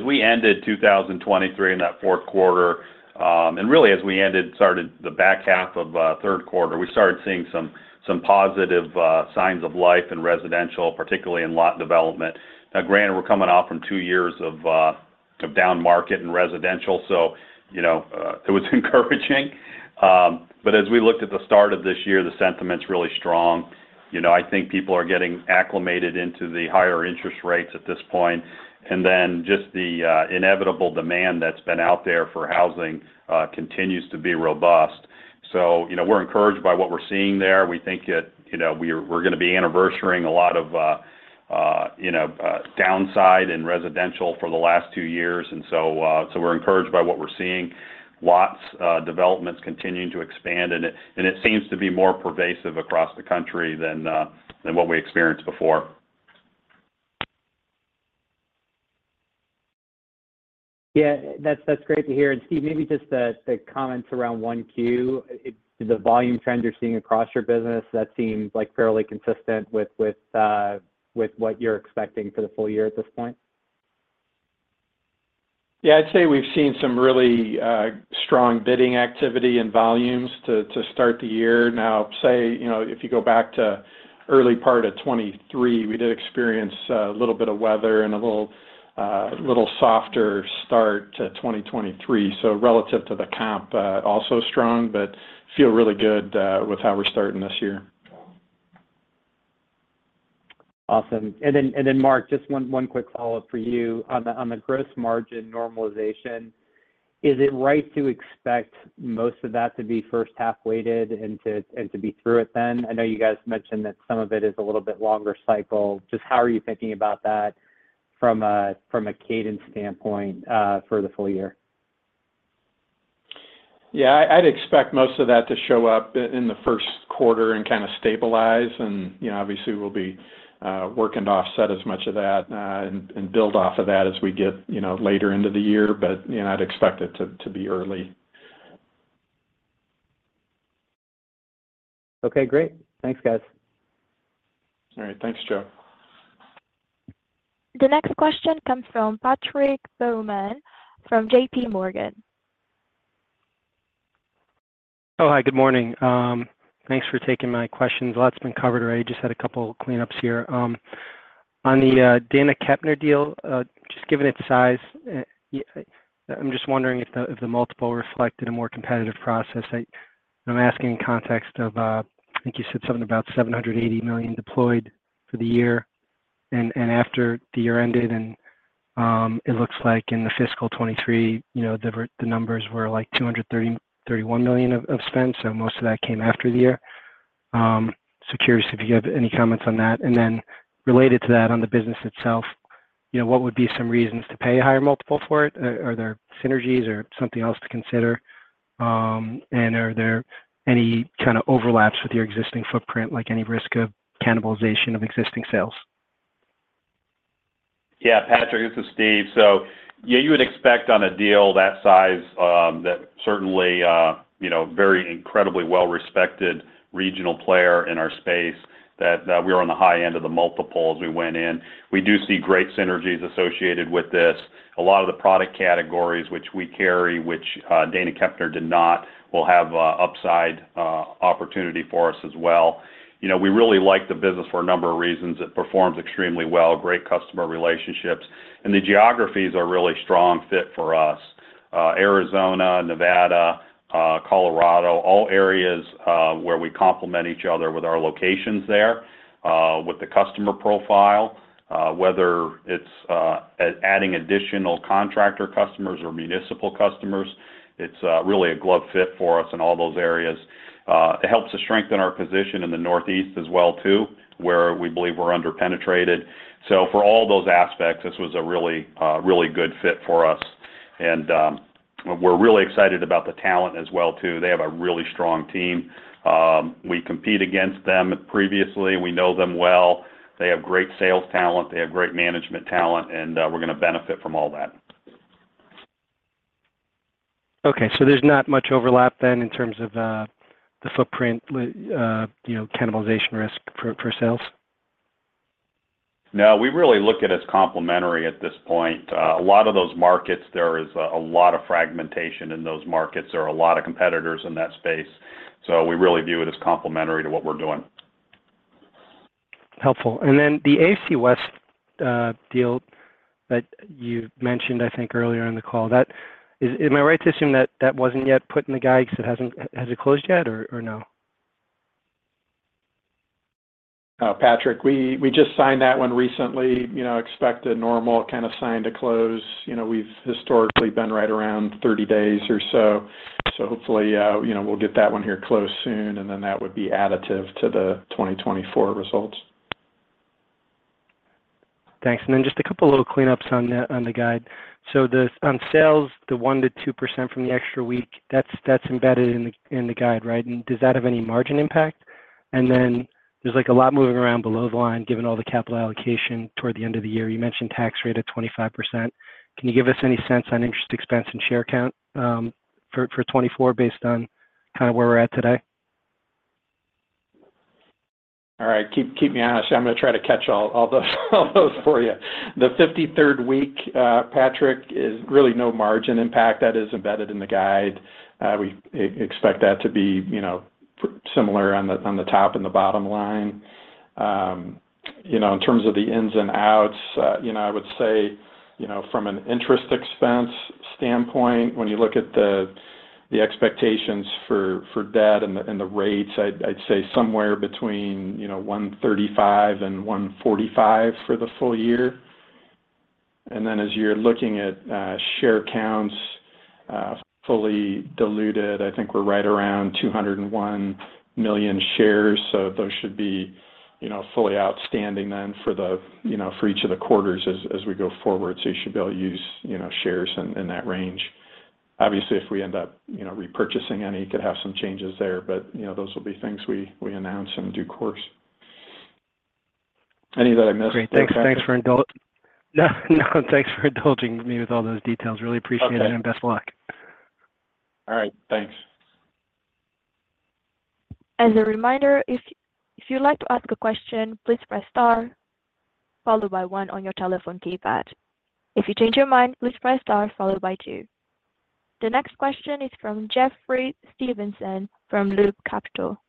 we ended 2023 in that fourth quarter, and really, as we started the back half of third quarter, we started seeing some positive signs of life in residential, particularly in lot development. Now, granted, we're coming off from two years of down market in residential, so it was encouraging. But as we looked at the start of this year, the sentiment's really strong. I think people are getting acclimated into the higher interest rates at this point. And then just the inevitable demand that's been out there for housing continues to be robust. So we're encouraged by what we're seeing there. We think that we're going to be anniversarying a lot of downside in residential for the last two years. And so we're encouraged by what we're seeing. Lot developments continuing to expand. It seems to be more pervasive across the country than what we experienced before. Yeah. That's great to hear. Steve, maybe just the comments around 1Q. The volume trends you're seeing across your business, that seems fairly consistent with what you're expecting for the full year at this point. Yeah. I'd say we've seen some really strong bidding activity and volumes to start the year. Now, say if you go back to early part of 2023, we did experience a little bit of weather and a little softer start to 2023. So relative to the comp, also strong, but feel really good with how we're starting this year. Awesome. And then, Mark, just one quick follow-up for you. On the gross margin normalization, is it right to expect most of that to be first-half weighted and to be through it then? I know you guys mentioned that some of it is a little bit longer cycle. Just how are you thinking about that from a cadence standpoint for the full year? Yeah. I'd expect most of that to show up in the first quarter and kind of stabilize. And obviously, we'll be working to offset as much of that and build off of that as we get later into the year. But I'd expect it to be early. Okay. Great. Thanks, guys. All right. Thanks, Joe. The next question comes from Patrick Baumann from JPMorgan. Oh, hi. Good morning. Thanks for taking my questions. A lot's been covered already. Just had a couple of cleanups here. On the Dana Kepner deal, just given its size, I'm just wondering if the multiple reflected a more competitive process. I'm asking in context of I think you said something about $780 million deployed for the year. And after the year ended, and it looks like in the fiscal 2023, the numbers were like $231 million of spend. So most of that came after the year. So curious if you have any comments on that. And then related to that, on the business itself, what would be some reasons to pay a higher multiple for it? Are there synergies or something else to consider? And are there any kind of overlaps with your existing footprint, like any risk of cannibalization of existing sales? Yeah. Patrick, this is Steve. So yeah, you would expect on a deal that size, that certainly very incredibly well-respected regional player in our space, that we were on the high end of the multiple as we went in. We do see great synergies associated with this. A lot of the product categories, which we carry, which Dana Kepner did not, will have upside opportunity for us as well. We really like the business for a number of reasons. It performs extremely well, great customer relationships. And the geographies are really strong fit for us: Arizona, Nevada, Colorado, all areas where we complement each other with our locations there, with the customer profile. Whether it's adding additional contractor customers or municipal customers, it's really a glove fit for us in all those areas. It helps to strengthen our position in the Northeast as well too, where we believe we're under-penetrated. So for all those aspects, this was a really good fit for us. And we're really excited about the talent as well too. They have a really strong team. We compete against them previously. We know them well. They have great sales talent. They have great management talent. And we're going to benefit from all that. Okay. So there's not much overlap then in terms of the footprint cannibalization risk for sales? No. We really look at it as complementary at this point. A lot of those markets, there is a lot of fragmentation in those markets. There are a lot of competitors in that space. So we really view it as complementary to what we're doing. Helpful. And then the ACF West deal that you mentioned, I think, earlier in the call, am I right to assume that that wasn't yet put in the guide because it hasn't closed yet, or no? Patrick, we just signed that one recently. Expect a normal kind of sign to close. We've historically been right around 30 days or so. So hopefully, we'll get that one here close soon. And then that would be additive to the 2024 results. Thanks. Then just a couple of little cleanups on the guide. On sales, the 1%-2% from the extra week, that's embedded in the guide, right? Does that have any margin impact? Then there's a lot moving around below the line given all the capital allocation toward the end of the year. You mentioned tax rate at 25%. Can you give us any sense on interest expense and share count for 2024 based on kind of where we're at today? All right. Keep me honest. I'm going to try to catch all those for you. The 53rd week, Patrick, is really no margin impact. That is embedded in the guide. We expect that to be similar on the top and the bottom line. In terms of the ins and outs, I would say from an interest expense standpoint, when you look at the expectations for debt and the rates, I'd say somewhere between $135 million and $145 million for the full year. And then as you're looking at share counts fully diluted, I think we're right around 201 million shares. So those should be fully outstanding then for each of the quarters as we go forward. So you should be able to use shares in that range. Obviously, if we end up repurchasing any, it could have some changes there. But those will be things we announce and do of course. Any that I missed? Great. Thanks for indulging me with all those details. Really appreciate it, and best of luck. All right. Thanks. As a reminder, if you'd like to ask a question, please press star followed by one on your telephone keypad. If you change your mind, please press star followed by two. The next question is from Jeffrey Stevenson from Loop Capital.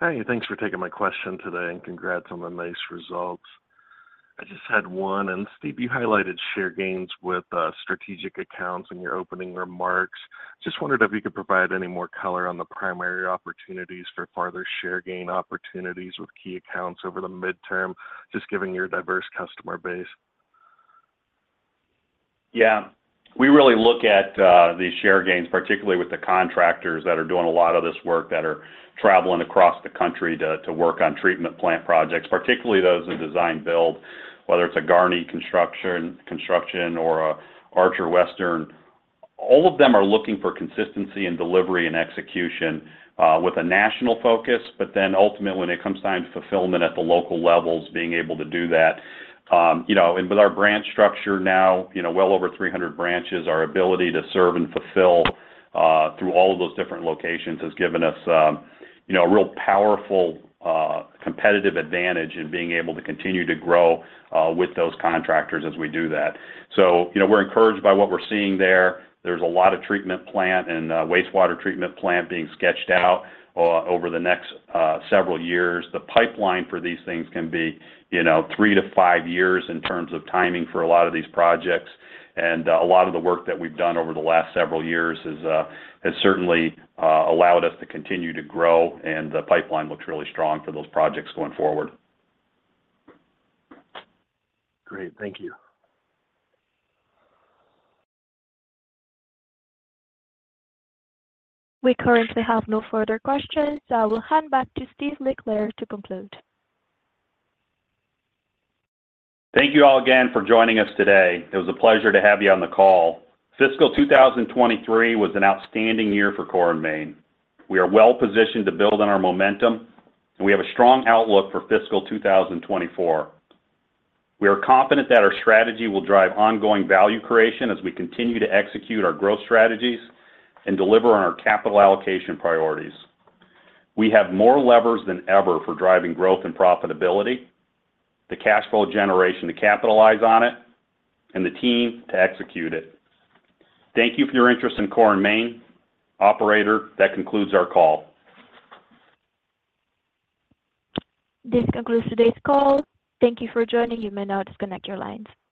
Hey. Thanks for taking my question today and congrats on the nice results. I just had one. Steve, you highlighted share gains with strategic accounts in your opening remarks. Just wondered if you could provide any more color on the primary opportunities for further share gain opportunities with key accounts over the midterm, just given your diverse customer base? Yeah. We really look at the share gains, particularly with the contractors that are doing a lot of this work that are traveling across the country to work on treatment plant projects, particularly those in design-build, whether it's a Garney Construction or an Archer Western. All of them are looking for consistency in delivery and execution with a national focus. But then ultimately, when it comes time to fulfillment at the local levels, being able to do that. And with our branch structure now, well over 300 branches, our ability to serve and fulfill through all of those different locations has given us a real powerful competitive advantage in being able to continue to grow with those contractors as we do that. So we're encouraged by what we're seeing there. There's a lot of treatment plant and wastewater treatment plant being sketched out over the next several years. The pipeline for these things can be three-five years in terms of timing for a lot of these projects. A lot of the work that we've done over the last several years has certainly allowed us to continue to grow. The pipeline looks really strong for those projects going forward. Great. Thank you. We currently have no further questions. I will hand back to Steve LeClair to conclude. Thank you all again for joining us today. It was a pleasure to have you on the call. Fiscal 2023 was an outstanding year for Core & Main. We are well-positioned to build on our momentum, and we have a strong outlook for fiscal 2024. We are confident that our strategy will drive ongoing value creation as we continue to execute our growth strategies and deliver on our capital allocation priorities. We have more levers than ever for driving growth and profitability, the cash flow generation to capitalize on it, and the team to execute it. Thank you for your interest in Core & Main, operator. That concludes our call. This concludes today's call. Thank you for joining. You may now disconnect your lines.